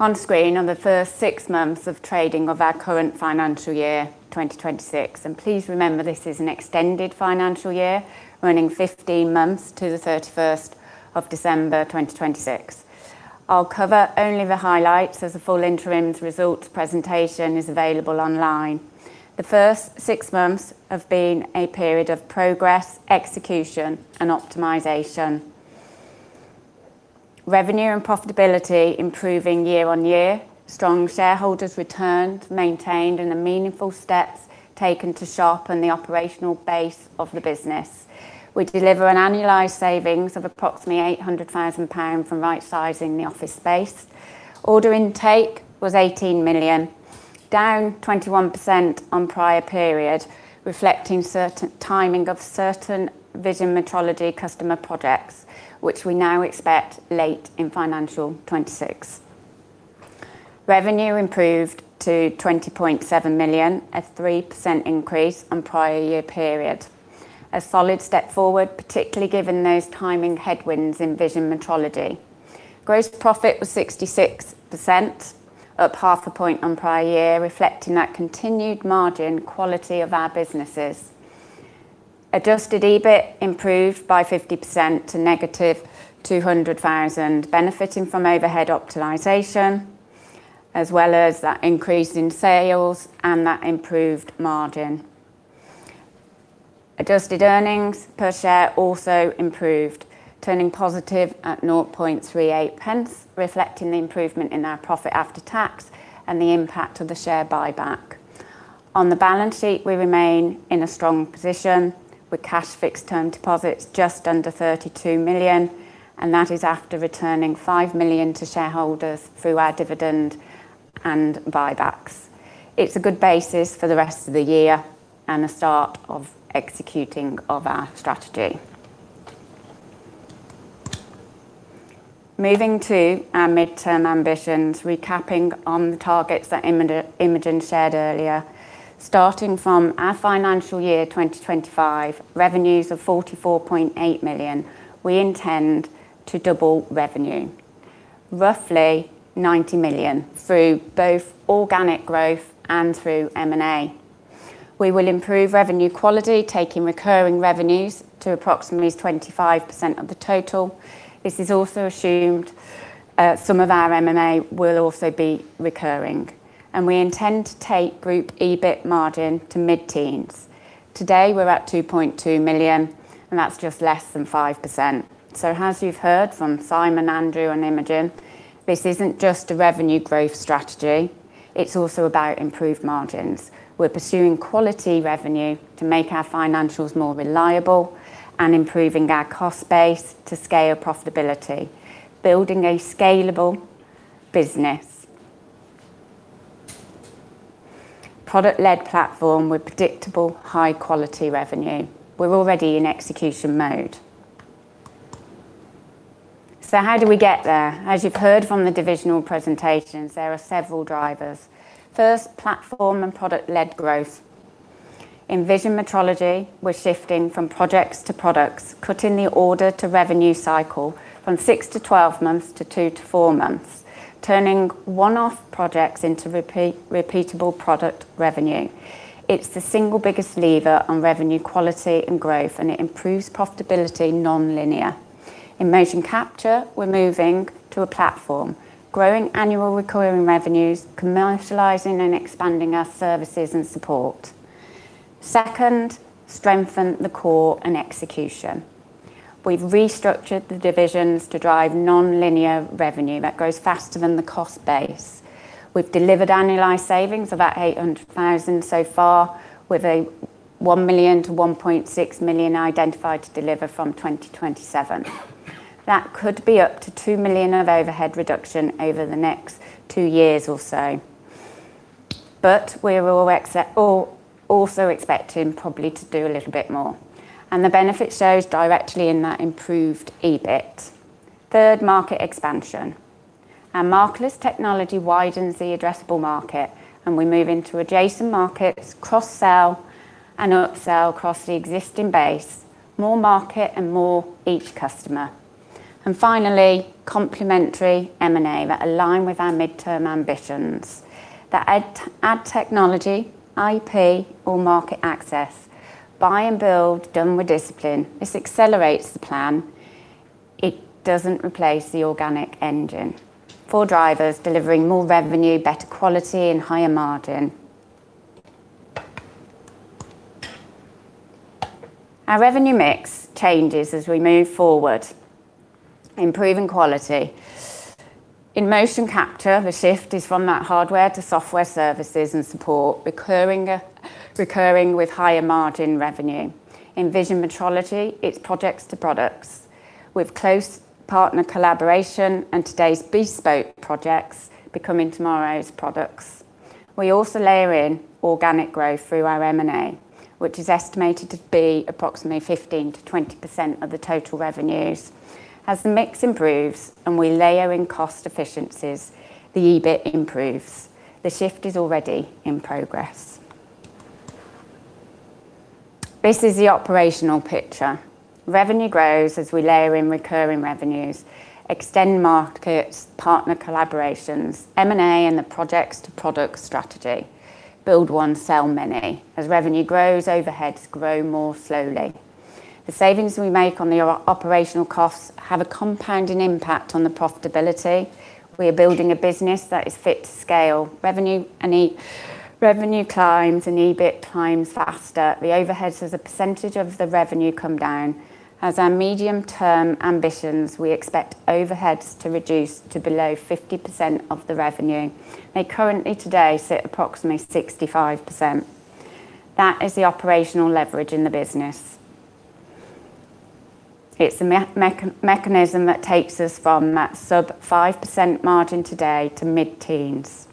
On screen are the first six months of trading of our current financial year 2024. Please remember, this is an extended financial year, running 15 months to the 31 of December 2024. I'll cover only the highlights, as a full interim results presentation is available online. The first six months have been a period of progress, execution and optimization. Revenue and profitability improving year-on-year. Strong shareholder returns maintained, meaningful steps taken to sharpen the operational base of the business. We deliver an annualized savings of approximately 800,000 pounds from rightsizing the office space. Order intake was 18 million, down 21% on prior period, reflecting timing of certain vision metrology customer projects, which we now expect late in financial 2024. Revenue improved to 20.7 million, a 3% increase on prior year period. A solid step forward, particularly given those timing headwinds in vision metrology. Gross profit was 66%, up half a point on prior year, reflecting that continued margin quality of our businesses. Adjusted EBIT improved by 50% to negative 200,000, benefiting from overhead optimization, as well as that increase in sales and that improved margin. Adjusted earnings per share also improved, turning positive at 0.38, reflecting the improvement in our profit after tax and the impact of the share buyback. On the balance sheet, we remain in a strong position with cash fixed term deposits just under 32 million, and that is after returning 5 million to shareholders through our dividend and buybacks. It's a good basis for the rest of the year and the start of executing of our strategy. Moving to our medium-term ambitions, recapping on the targets that Imogen shared earlier. Starting from our financial year 2023, revenues of 44.8 million, we intend to double revenue, roughly 90 million, through both organic growth and through M&A. We will improve revenue quality, taking recurring revenues to approximately 25% of the total. This has also assumed some of our M&A will also be recurring. We intend to take group EBIT margin to mid-teens. Today, we're at 2.2 million, and that's just less than 5%. As you've heard from Simon, Andrew and Imogen, this isn't just a revenue growth strategy, it's also about improved margins. We're pursuing quality revenue to make our financials more reliable and improving our cost base to scale profitability, building a scalable business. Product-led platform with predictable high-quality revenue. We're already in execution mode. How do we get there? As you've heard from the divisional presentations, there are several drivers. First, platform and product-led growth. In vision metrology, we're shifting from projects to products, cutting the order-to-revenue cycle from six to 12 months to two to four months, turning one-off projects into repeatable product revenue. It's the single biggest lever on revenue quality and growth, and it improves profitability non-linearly. In motion capture, we're moving to a platform, growing annual recurring revenues, commercializing and expanding our services and support. Second, strengthen the core and execution. We've restructured the divisions to drive non-linear revenue that grows faster than the cost base. We've delivered annualized savings of about 800,000 so far, with a 1 million-1.6 million identified to deliver from 2027. That could be up to 2 million of overhead reduction over the next two years or so. We're also expecting probably to do a little bit more. The benefit shows directly in that improved EBIT. Third, market expansion. Our Markerless technology widens the addressable market, and we move into adjacent markets, cross-sell, and upsell across the existing base. More market and more each customer. Finally, complementary M&A that align with our midterm ambitions, that add technology, IP, or market access. Buy and build done with discipline. This accelerates the plan. It doesn't replace the organic engine. Four drivers delivering more revenue, better quality, and higher margin. Our revenue mix changes as we move forward, improving quality. In motion capture, the shift is from that hardware to software services and support, recurring with higher margin revenue. In vision metrology, it's projects to products. With close partner collaboration and today's bespoke projects becoming tomorrow's products. We also layer in organic growth through our M&A, which is estimated to be approximately 15%-20% of the total revenues. As the mix improves and we layer in cost efficiencies, the EBIT improves. The shift is already in progress. This is the operational picture. Revenue grows as we layer in recurring revenues, extend markets, partner collaborations, M&A, and the projects to product strategy. Build one, sell many. As revenue grows, overheads grow more slowly. The savings we make on the operational costs have a compounding impact on the profitability. We are building a business that is fit to scale. Revenue climbs and EBIT climbs faster. The overheads as a percentage of the revenue come down. As our medium-term ambitions, we expect overheads to reduce to below 50% of the revenue. They currently today sit approximately 65%. That is the operational leverage in the business. It's the mechanism that takes us from that sub 5% margin today to mid-teens.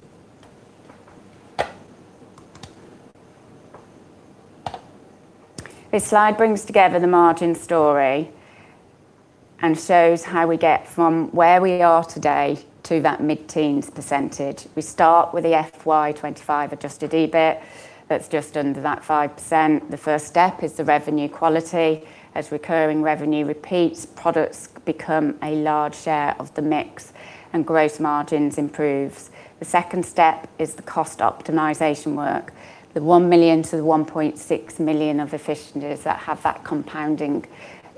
This slide brings together the margin story and shows how we get from where we are today to that mid-teens percentage. We start with the FY 2023 adjusted EBIT. That's just under that 5%. The first step is the revenue quality. As recurring revenue repeats, products become a large share of the mix and gross margins improves. The second step is the cost optimization work, the 1 million-1.6 million of efficiencies that have that compounding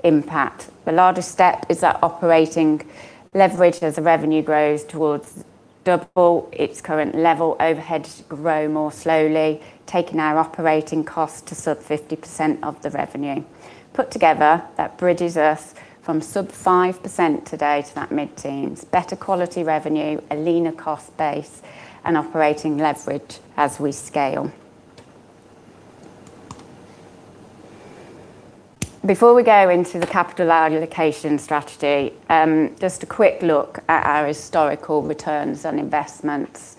impact. The largest step is that operating leverage as the revenue grows towards double its current level, overheads grow more slowly, taking our operating cost to sub 50% of the revenue. Put together, that bridges us from sub 5% today to that mid-teens. Better quality revenue, a leaner cost base, and operating leverage as we scale. Before we go into the capital allocation strategy, just a quick look at our historical returns on investments.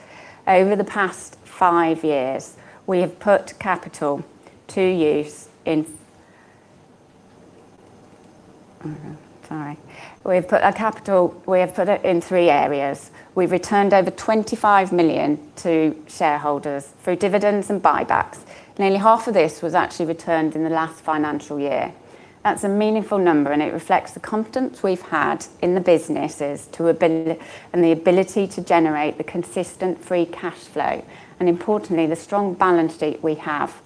Over the past five years, we have put our capital, we have put it in three areas. We've returned over 25 million to shareholders through dividends and buybacks. Nearly half of this was actually returned in the last financial year. That's a meaningful number, and it reflects the confidence we've had in the businesses and the ability to generate the consistent free cash flow, and importantly, the strong balance sheet we have.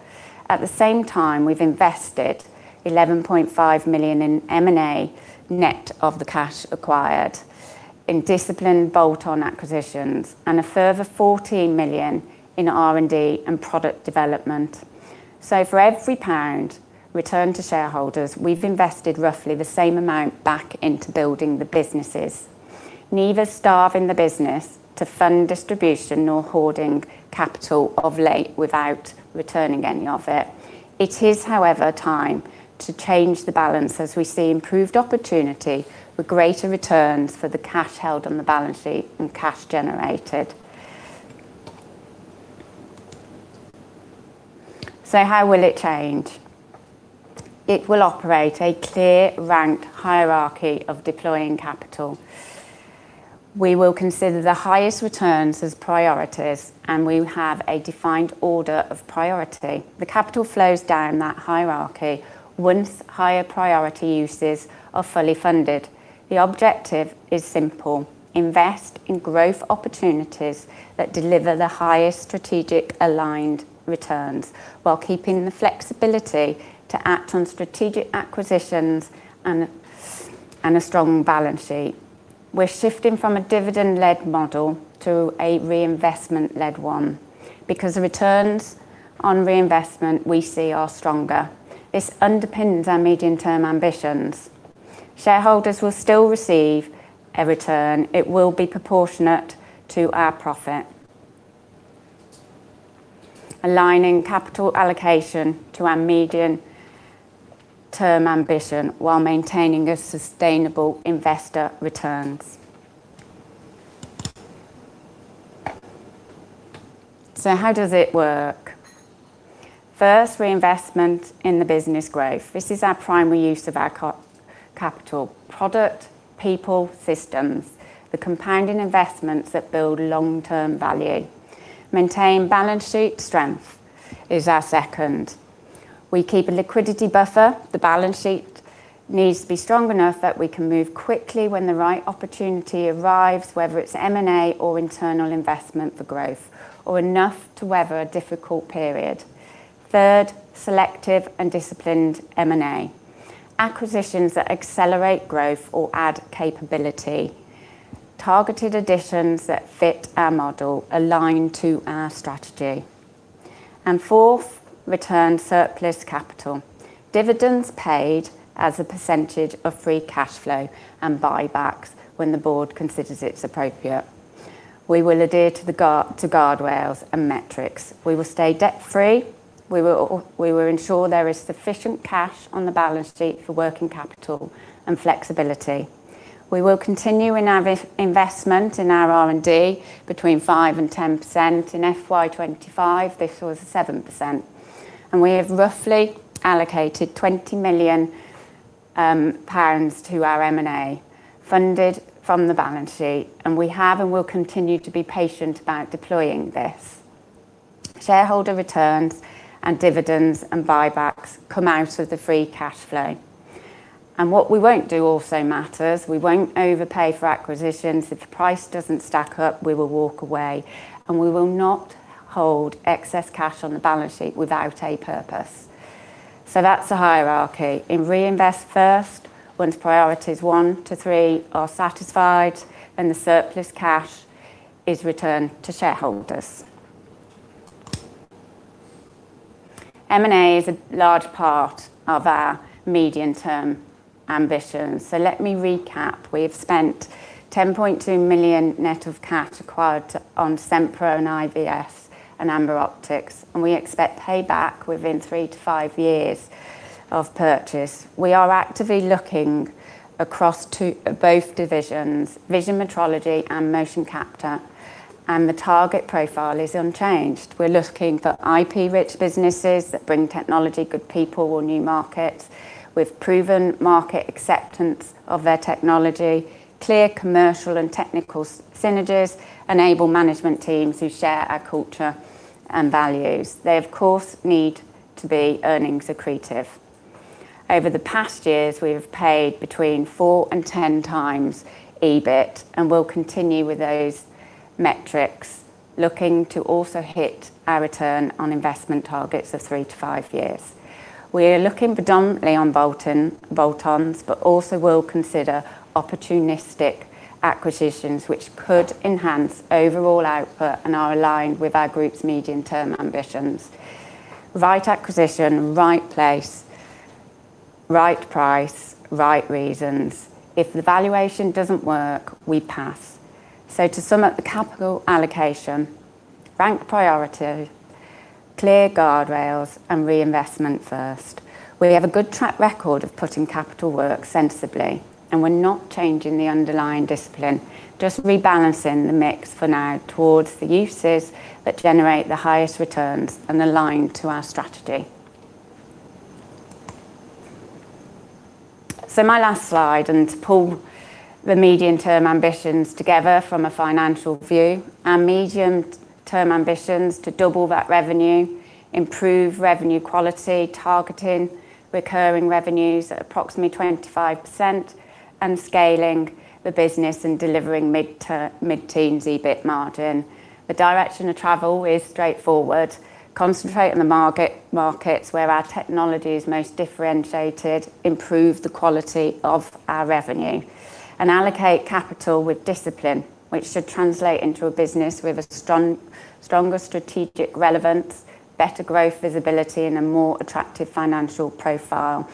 At the same time, we've invested 11.5 million in M&A net of the cash acquired in disciplined bolt-on acquisitions and a further 14 million in R&D and product development. For every GBP returned to shareholders, we've invested roughly the same amount back into building the businesses, neither starving the business to fund distribution nor hoarding capital of late without returning any of it. It is, however, time to change the balance as we see improved opportunity with greater returns for the cash held on the balance sheet and cash generated. How will it change? It will operate a clear rank hierarchy of deploying capital. We will consider the highest returns as priorities, and we have a defined order of priority. The capital flows down that hierarchy, once higher priority uses are fully funded. The objective is simple. Invest in growth opportunities that deliver the highest strategic aligned returns while keeping the flexibility to act on strategic acquisitions and a strong balance sheet. We're shifting from a dividend-led model to a reinvestment-led one because the returns on reinvestment we see are stronger. This underpins our medium-term ambitions. Shareholders will still receive a return. It will be proportionate to our profit. Aligning capital allocation to our medium-term ambition while maintaining a sustainable investor returns. How does it work? First, reinvestment in the business growth. This is our primary use of our capital. Product, people, systems, the compounding investments that build long-term value. Maintain balance sheet strength is our second. We keep a liquidity buffer. The balance sheet needs to be strong enough that we can move quickly when the right opportunity arrives, whether it's M&A or internal investment for growth, or enough to weather a difficult period. Third, selective and disciplined M&A. Acquisitions that accelerate growth or add capability. Targeted additions that fit our model, align to our strategy. Fourth, return surplus capital. Dividends paid as a percentage of free cash flow and buybacks when the board considers it appropriate. We will adhere to guardrails and metrics. We will stay debt-free. We will ensure there is sufficient cash on the balance sheet for working capital and flexibility. We will continue in our investment in our R&D between 5% and 10%. In FY 2025, this was 7%. We have roughly allocated 20 million pounds to our M&A, funded from the balance sheet. We have and will continue to be patient about deploying this. Shareholder returns and dividends and buybacks come out of the free cash flow. What we won't do also matters. We won't overpay for acquisitions. If the price doesn't stack up, we will walk away, and we will not hold excess cash on the balance sheet without a purpose. That's the hierarchy. Reinvest first, once priorities one to three are satisfied, then the surplus cash is returned to shareholders. M&A is a large part of our medium-term ambitions. Let me recap. We have spent 10.2 million net of cash acquired on Sempre and IVMS and Amber Optics, and we expect payback within three to five years of purchase. We are actively looking across both divisions, vision metrology and motion capture, and the target profile is unchanged. We're looking for IP-rich businesses that bring technology, good people, or new markets with proven market acceptance of their technology. Clear commercial and technical synergies enable management teams who share our culture and values. They, of course, need to be earnings accretive. Over the past years, we have paid between four and 10 times EBIT and will continue with those metrics, looking to also hit our return on investment targets of three to five years. We are looking predominantly on bolt-ons, but also will consider opportunistic acquisitions which could enhance overall output and are aligned with our group's medium-term ambitions. Right acquisition, right place, right price, right reasons. If the valuation doesn't work, we pass. To sum up the capital allocation, rank priority, clear guardrails, and reinvestment first. We have a good track record of putting capital work sensibly, and we're not changing the underlying discipline, just rebalancing the mix for now towards the uses that generate the highest returns and align to our strategy. My last slide, to pull the medium-term ambitions together from a financial view. Our medium-term ambition is to double that revenue, improve revenue quality, targeting recurring revenues at approximately 25%, and scaling the business and delivering mid-teen EBIT margin. The direction of travel is straightforward. Concentrate on the markets where our technology is most differentiated, improve the quality of our revenue, and allocate capital with discipline, which should translate into a business with a stronger strategic relevance, better growth visibility, and a more attractive financial profile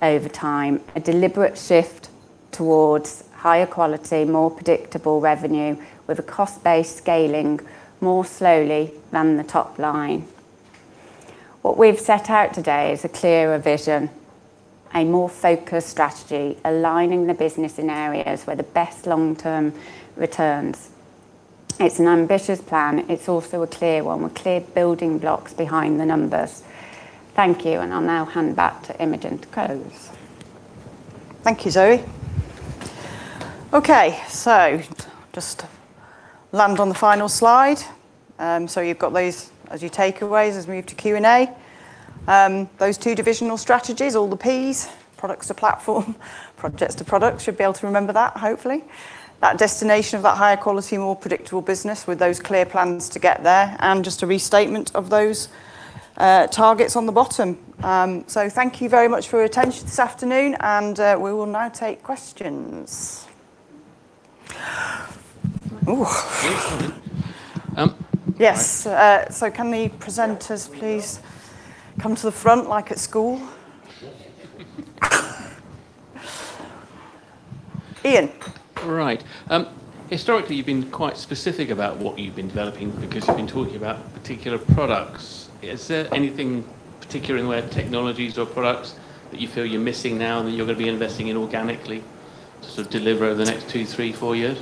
over time. A deliberate shift towards higher quality, more predictable revenue with a cost-based scaling more slowly than the top line. What we've set out today is a clearer vision, a more focused strategy, aligning the business in areas where the best long-term returns. It's an ambitious plan. It's also a clear one, with clear building blocks behind the numbers. Thank you. I'll now hand back to Imogen to close. Thank you, Zoe. Okay, just land on the final slide. You've got these as your takeaways as we move to Q&A. Those two divisional strategies, all the Ps, products to platform, projects to product. Should be able to remember that, hopefully. That destination of that higher quality, more predictable business with those clear plans to get there, and just a restatement of those targets on the bottom. Thank you very much for your attention this afternoon, and we will now take questions. Please come in. Yes. Can the presenters please come to the front like at school? Sure. Ian. Right. Historically, you've been quite specific about what you've been developing, because you've been talking about particular products. Is there anything particular in the way of technologies or products that you feel you're missing now and that you're going to be investing in organically to sort of deliver over the next two, three, four years?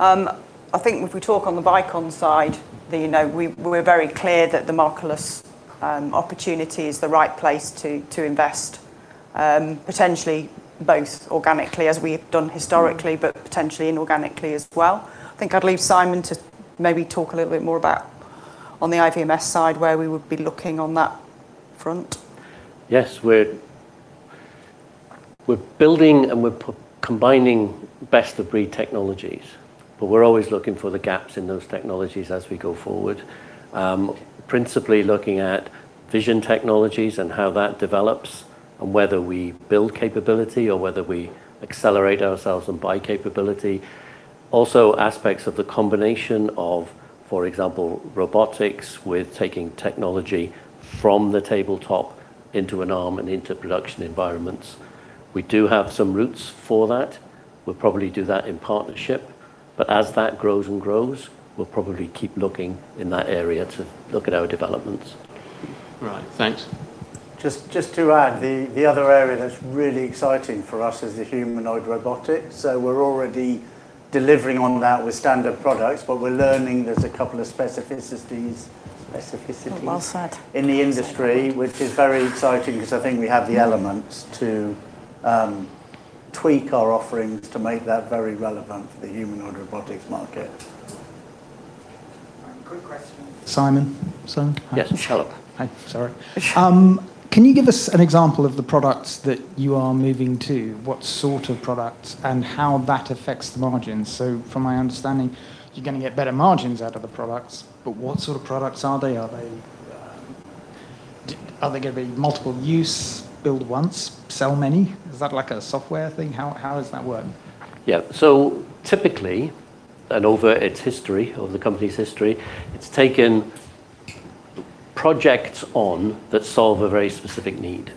I think if we talk on the Vicon side, we're very clear that the Markerless opportunity is the right place to invest, potentially both organically, as we have done historically, but potentially inorganically as well. I think I'd leave Simon to maybe talk a little bit more about on the IVMS side, where we would be looking on that front. Yes, we're building and we're combining best-of-breed technologies. We're always looking for the gaps in those technologies as we go forward. Principally looking at vision technologies and how that develops, and whether we build capability or whether we accelerate ourselves and buy capability. Also aspects of the combination of, for example, robotics, with taking technology from the tabletop into an arm and into production environments. We do have some roots for that. We'll probably do that in partnership. As that grows and grows, we'll probably keep looking in that area to look at our developments. Right. Thanks. Just to add, the other area that's really exciting for us is the humanoid robotics. We're already delivering on that with standard products, but we're learning there's a couple of specificities- Well said in the industry, which is very exciting because I think we have the elements to tweak our offerings to make that very relevant for the humanoid robotics market. Quick question. Simon? Simon? Yes, Philip. Hi, sorry. Can you give us an example of the products that you are moving to, what sort of products, and how that affects the margins? From my understanding, you're going to get better margins out of the products, but what sort of products are they? Are they going to be multiple use, build once, sell many? Is that like a software thing? How does that work? Yeah. Typically, over the company's history, it's taken projects on that solve a very specific need,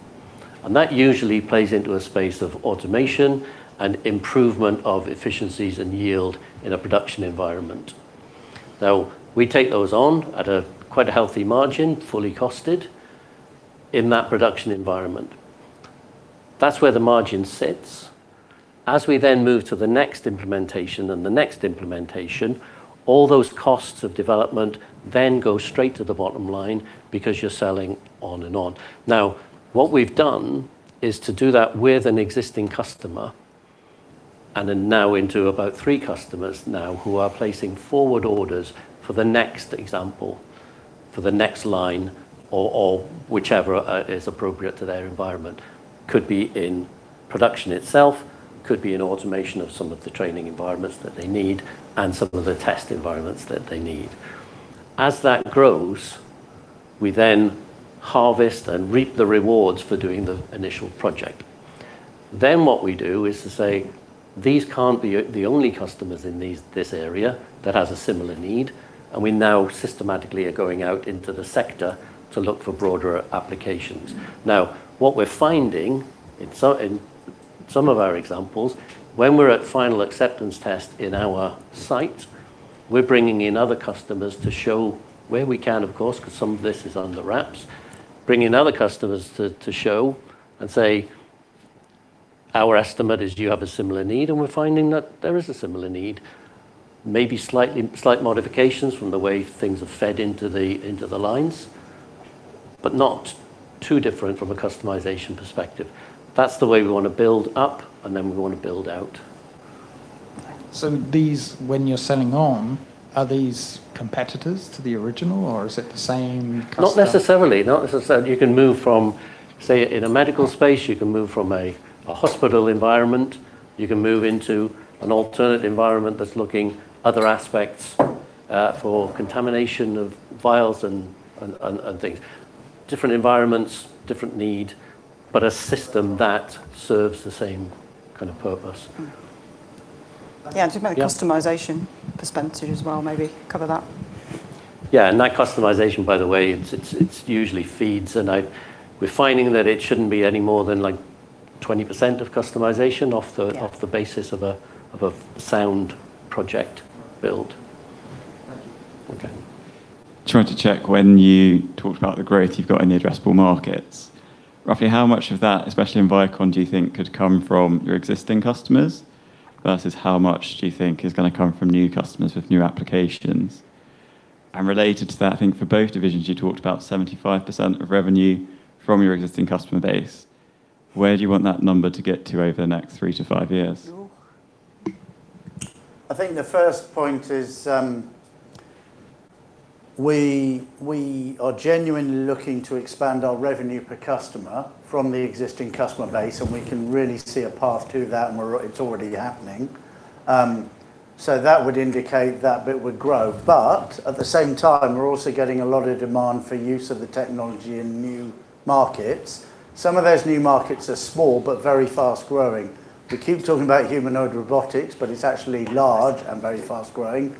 and that usually plays into a space of automation and improvement of efficiencies and yield in a production environment. We take those on at a quite healthy margin, fully costed in that production environment. That's where the margin sits. As we then move to the next implementation and the next implementation, all those costs of development then go straight to the bottom line, because you're selling on and on. What we've done is to do that with an existing customer, and then now into about three customers now who are placing forward orders for the next example, for the next line, or whichever is appropriate to their environment. Could be in production itself, could be in automation of some of the training environments that they need, and some of the test environments that they need. As that grows, we then harvest and reap the rewards for doing the initial project. What we do is to say, "These can't be the only customers in this area that has a similar need," and we now systematically are going out into the sector to look for broader applications. What we're finding in some of our examples, when we're at final acceptance test in our site, we're bringing in other customers to show, where we can, of course, because some of this is under wraps. Bringing other customers to show and say, "Our estimate is, do you have a similar need?" We're finding that there is a similar need. Maybe slight modifications from the way things are fed into the lines, but not too different from a customization perspective. That's the way we want to build up, and then we want to build out. These, when you're selling on, are these competitors to the original, or is it the same customer? Not necessarily. Not necessarily. You can move from, say in a medical space, you can move from a hospital environment. You can move into an alternate environment that's looking other aspects for contamination of vials and things. Different environments, different need, but a system that serves the same kind of purpose. Yeah. Just about customization perspective as well, maybe cover that. Yeah. That customization, by the way, it usually feeds, and we're finding that it shouldn't be any more than like 20% of customization. Yeah Off the basis of a sound project build. Thank you. Okay. Trying to check, when you talked about the growth you've got in the addressable markets, roughly how much of that, especially in Vicon, do you think could come from your existing customers, versus how much do you think is going to come from new customers with new applications? Related to that, I think for both divisions, you talked about 75% of revenue from your existing customer base. Where do you want that number to get to over the next three to five years? I think the first point is, we are genuinely looking to expand our revenue per customer from the existing customer base, and we can really see a path to that, and it's already happening. That would indicate that bit would grow. At the same time, we're also getting a lot of demand for use of the technology in new markets. Some of those new markets are small, but very fast-growing. We keep talking about humanoid robotics, but it's actually large and very fast-growing.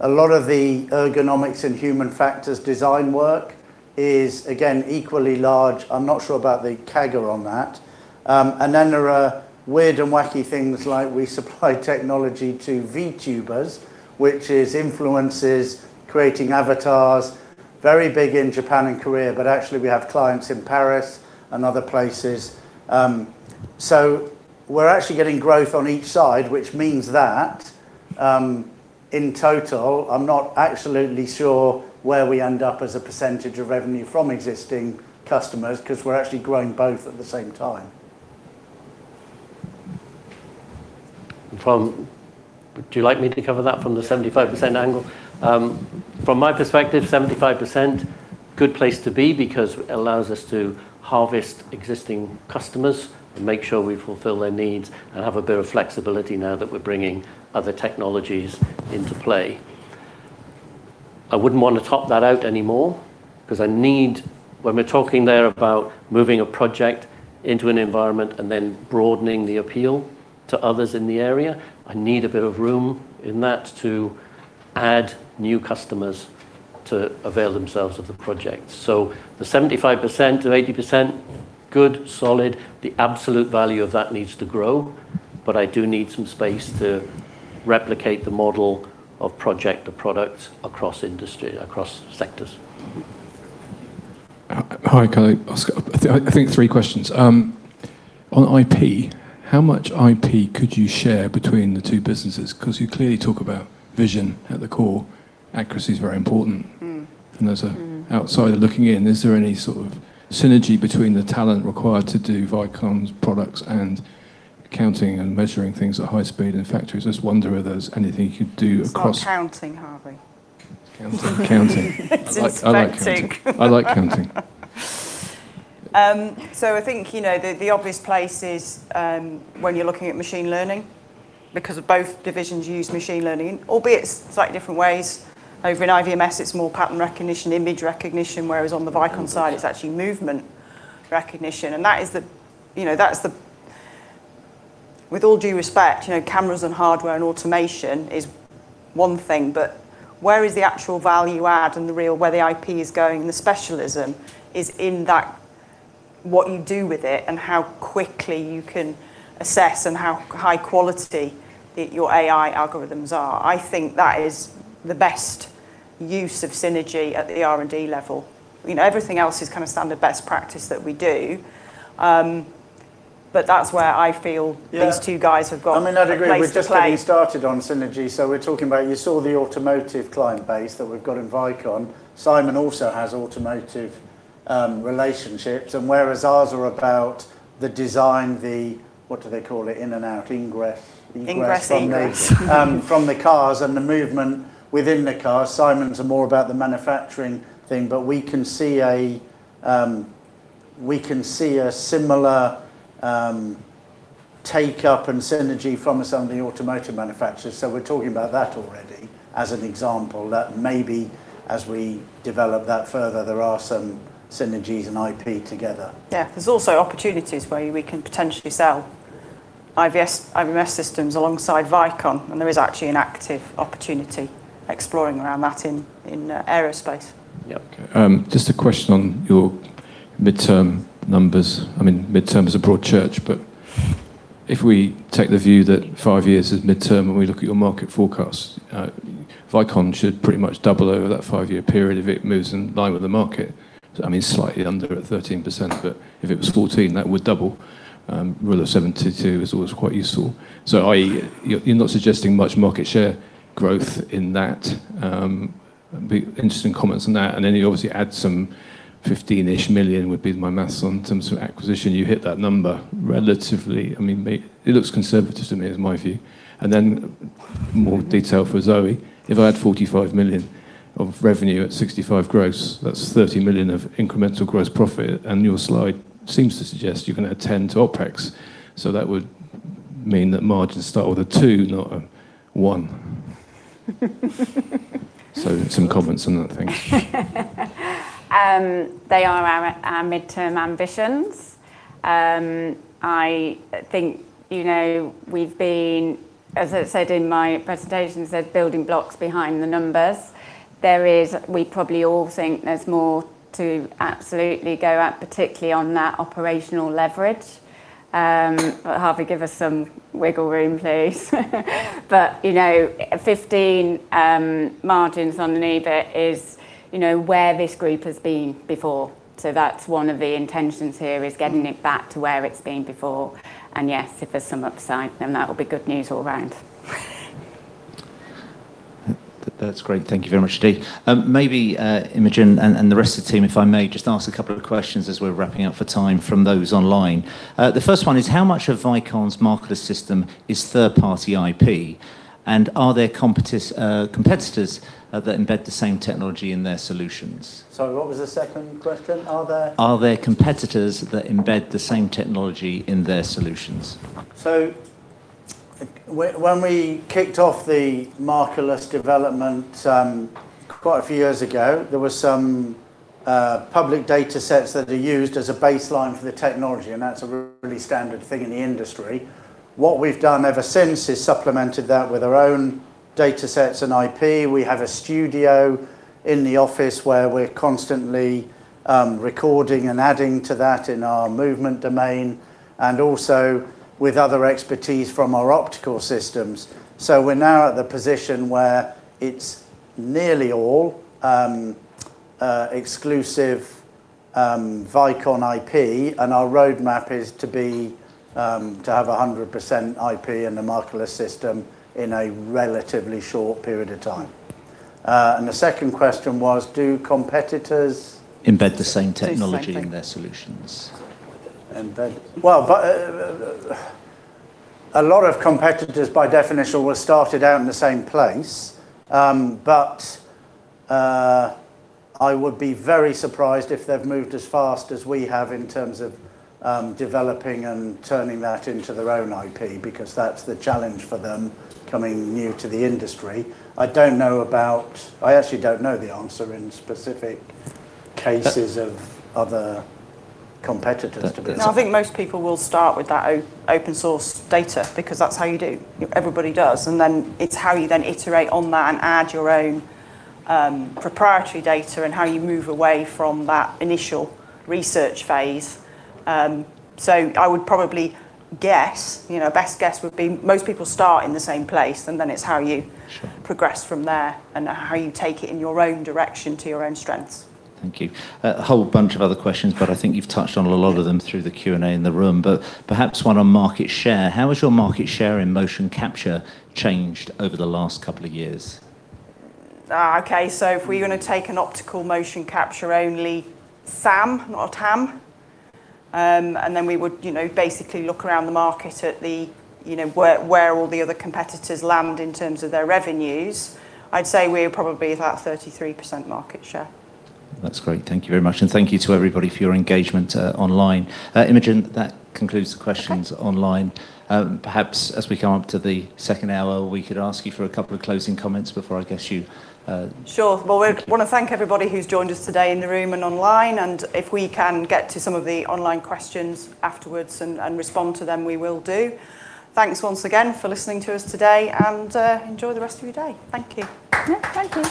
A lot of the ergonomics and human factors design work is, again, equally large. I'm not sure about the CAGR on that. Then there are weird and wacky things like we supply technology to VTubers, which is influencers creating avatars. Very big in Japan and Korea, but actually we have clients in Paris and other places. We're actually getting growth on each side, which means that, in total, I'm not absolutely sure where we end up as a percentage of revenue from existing customers, because we're actually growing both at the same time. Would you like me to cover that from the 75% angle? From my perspective, 75%, good place to be because it allows us to harvest existing customers and make sure we fulfill their needs, and have a bit of flexibility now that we're bringing other technologies into play. I wouldn't want to top that out anymore, because when we're talking there about moving a project into an environment and then broadening the appeal to others in the area, I need a bit of room in that to add new customers to avail themselves of the project. The 75%-80%, good, solid. The absolute value of that needs to grow, but I do need some space to replicate the model of project or product across industry, across sectors. Hi. Can I ask, I think, three questions? On IP, how much IP could you share between the two businesses? You clearly talk about vision at the core. Accuracy is very important. As an outsider looking in, is there any sort of synergy between the talent required to do Vicon's products and counting and measuring things at high speed in factories? I just wonder if there's anything you could do across. It's not counting, Harvey. Counting. I like counting. It's inspecting. I like counting. I think, the obvious place is when you're looking at machine learning, because both divisions use machine learning, albeit slightly different ways. Over in IVMS, it's more pattern recognition, image recognition, whereas on the Vicon side, it's actually movement recognition. With all due respect, cameras and hardware and automation is one thing, but where is the actual value add and where the IP is going, the specialism, is in what you do with it and how quickly you can assess and how high quality your AI algorithms are. I think that is the best use of synergy at the R&D level. Everything else is kind of standard best practice that we do. Yeah These two guys have got a place to play. I mean, I'd agree. We've just getting started on synergy. We're talking about, you saw the automotive client base that we've got in Vicon. Simon also has automotive relationships, and whereas ours are about the design, the, what do they call it, in and out, ingress- Ingress, egress From the cars and the movement within the car. Simon's are more about the manufacturing thing. We can see a similar take-up and synergy from some of the automotive manufacturers. We're talking about that already as an example that maybe as we develop that further, there are some synergies and IP together. Yeah. There's also opportunities where we can potentially sell IVMS systems alongside Vicon. There is actually an active opportunity exploring around that in aerospace. Yep. Okay. Just a question on your midterm numbers. I mean, midterm is a broad church. If we take the view that five years is midterm, and we look at your market forecast, Vicon should pretty much double over that five-year period if it moves in line with the market. I mean, slightly under at 13%. If it was 14, that would double. Rule of 72 is always quite useful. I.e., you're not suggesting much market share growth in that. Be interesting comments on that. Then you obviously add some 15-ish million, would be my math, on in terms of acquisition, you hit that number relatively. I mean, it looks conservative to me, is my view. Then more detail for Zoe. If I add 45 million of revenue at 65%, that's 30 million of incremental gross profit. Your slide seems to suggest you're going to add 10 million to OpEx. That would mean that margins start with a two, not a one. Some comments on that, thanks. They are our midterm ambitions. I think we've been, as I said in my presentation, said building blocks behind the numbers. We probably all think there's more to absolutely go at, particularly on that operational leverage. Harvey, give us some wiggle room, please. 15% margins underneath it is where this group has been before. That's one of the intentions here, is getting it back to where it's been before. Yes, if there's some upside, then that will be good news all around. That's great. Thank you very much indeed. Maybe Imogen and the rest of the team, if I may just ask a couple of questions as we're wrapping up for time, from those online. The first one is, how much of Vicon's Markerless system is third-party IP? Are there competitors that embed the same technology in their solutions? Sorry, what was the second question? Are there competitors that embed the same technology in their solutions? When we kicked off the Markerless development quite a few years ago, there were some public data sets that they used as a baseline for the technology, that's a really standard thing in the industry. What we've done ever since is supplemented that with our own data sets and IP. We have a studio in the office where we're constantly recording and adding to that in our movement domain, also with other expertise from our optical systems. We're now at the position where it's nearly all exclusive Vicon IP, our roadmap is to have 100% IP in the Markerless system in a relatively short period of time. The second question was, do competitors- Embed the same technology- Same thing In their solutions? Embed. Well, a lot of competitors, by definition, were started out in the same place. I would be very surprised if they've moved as fast as we have in terms of developing and turning that into their own IP, because that's the challenge for them coming new to the industry. I actually don't know the answer in specific cases of other competitors to be honest. That's okay. I think most people will start with that open source data, because that's how you do. Everybody does, and then it's how you then iterate on that and add your own proprietary data, and how you move away from that initial research phase. I would probably guess, best guess would be most people start in the same place, and then it's how you Sure You progress from there, and how you take it in your own direction to your own strengths. Thank you. A whole bunch of other questions, but I think you've touched on a lot of them through the Q&A in the room. Perhaps one on market share, how has your market share in motion capture changed over the last couple of years? Okay. If we're going to take an optical motion capture only, SAM, not TAM, and then we would basically look around the market at where all the other competitors land in terms of their revenues, I'd say we're probably about 33% market share. That's great. Thank you very much, and thank you to everybody for your engagement online. Imogen, that concludes the questions- Okay online. Perhaps as we come up to the second hour, we could ask you for a couple of closing comments before, I guess, you- Sure. Okay. Well, we want to thank everybody who's joined us today in the room and online, and if we can get to some of the online questions afterwards and respond to them, we will do. Thanks once again for listening to us today, and enjoy the rest of your day. Thank you. Yeah. Thank you.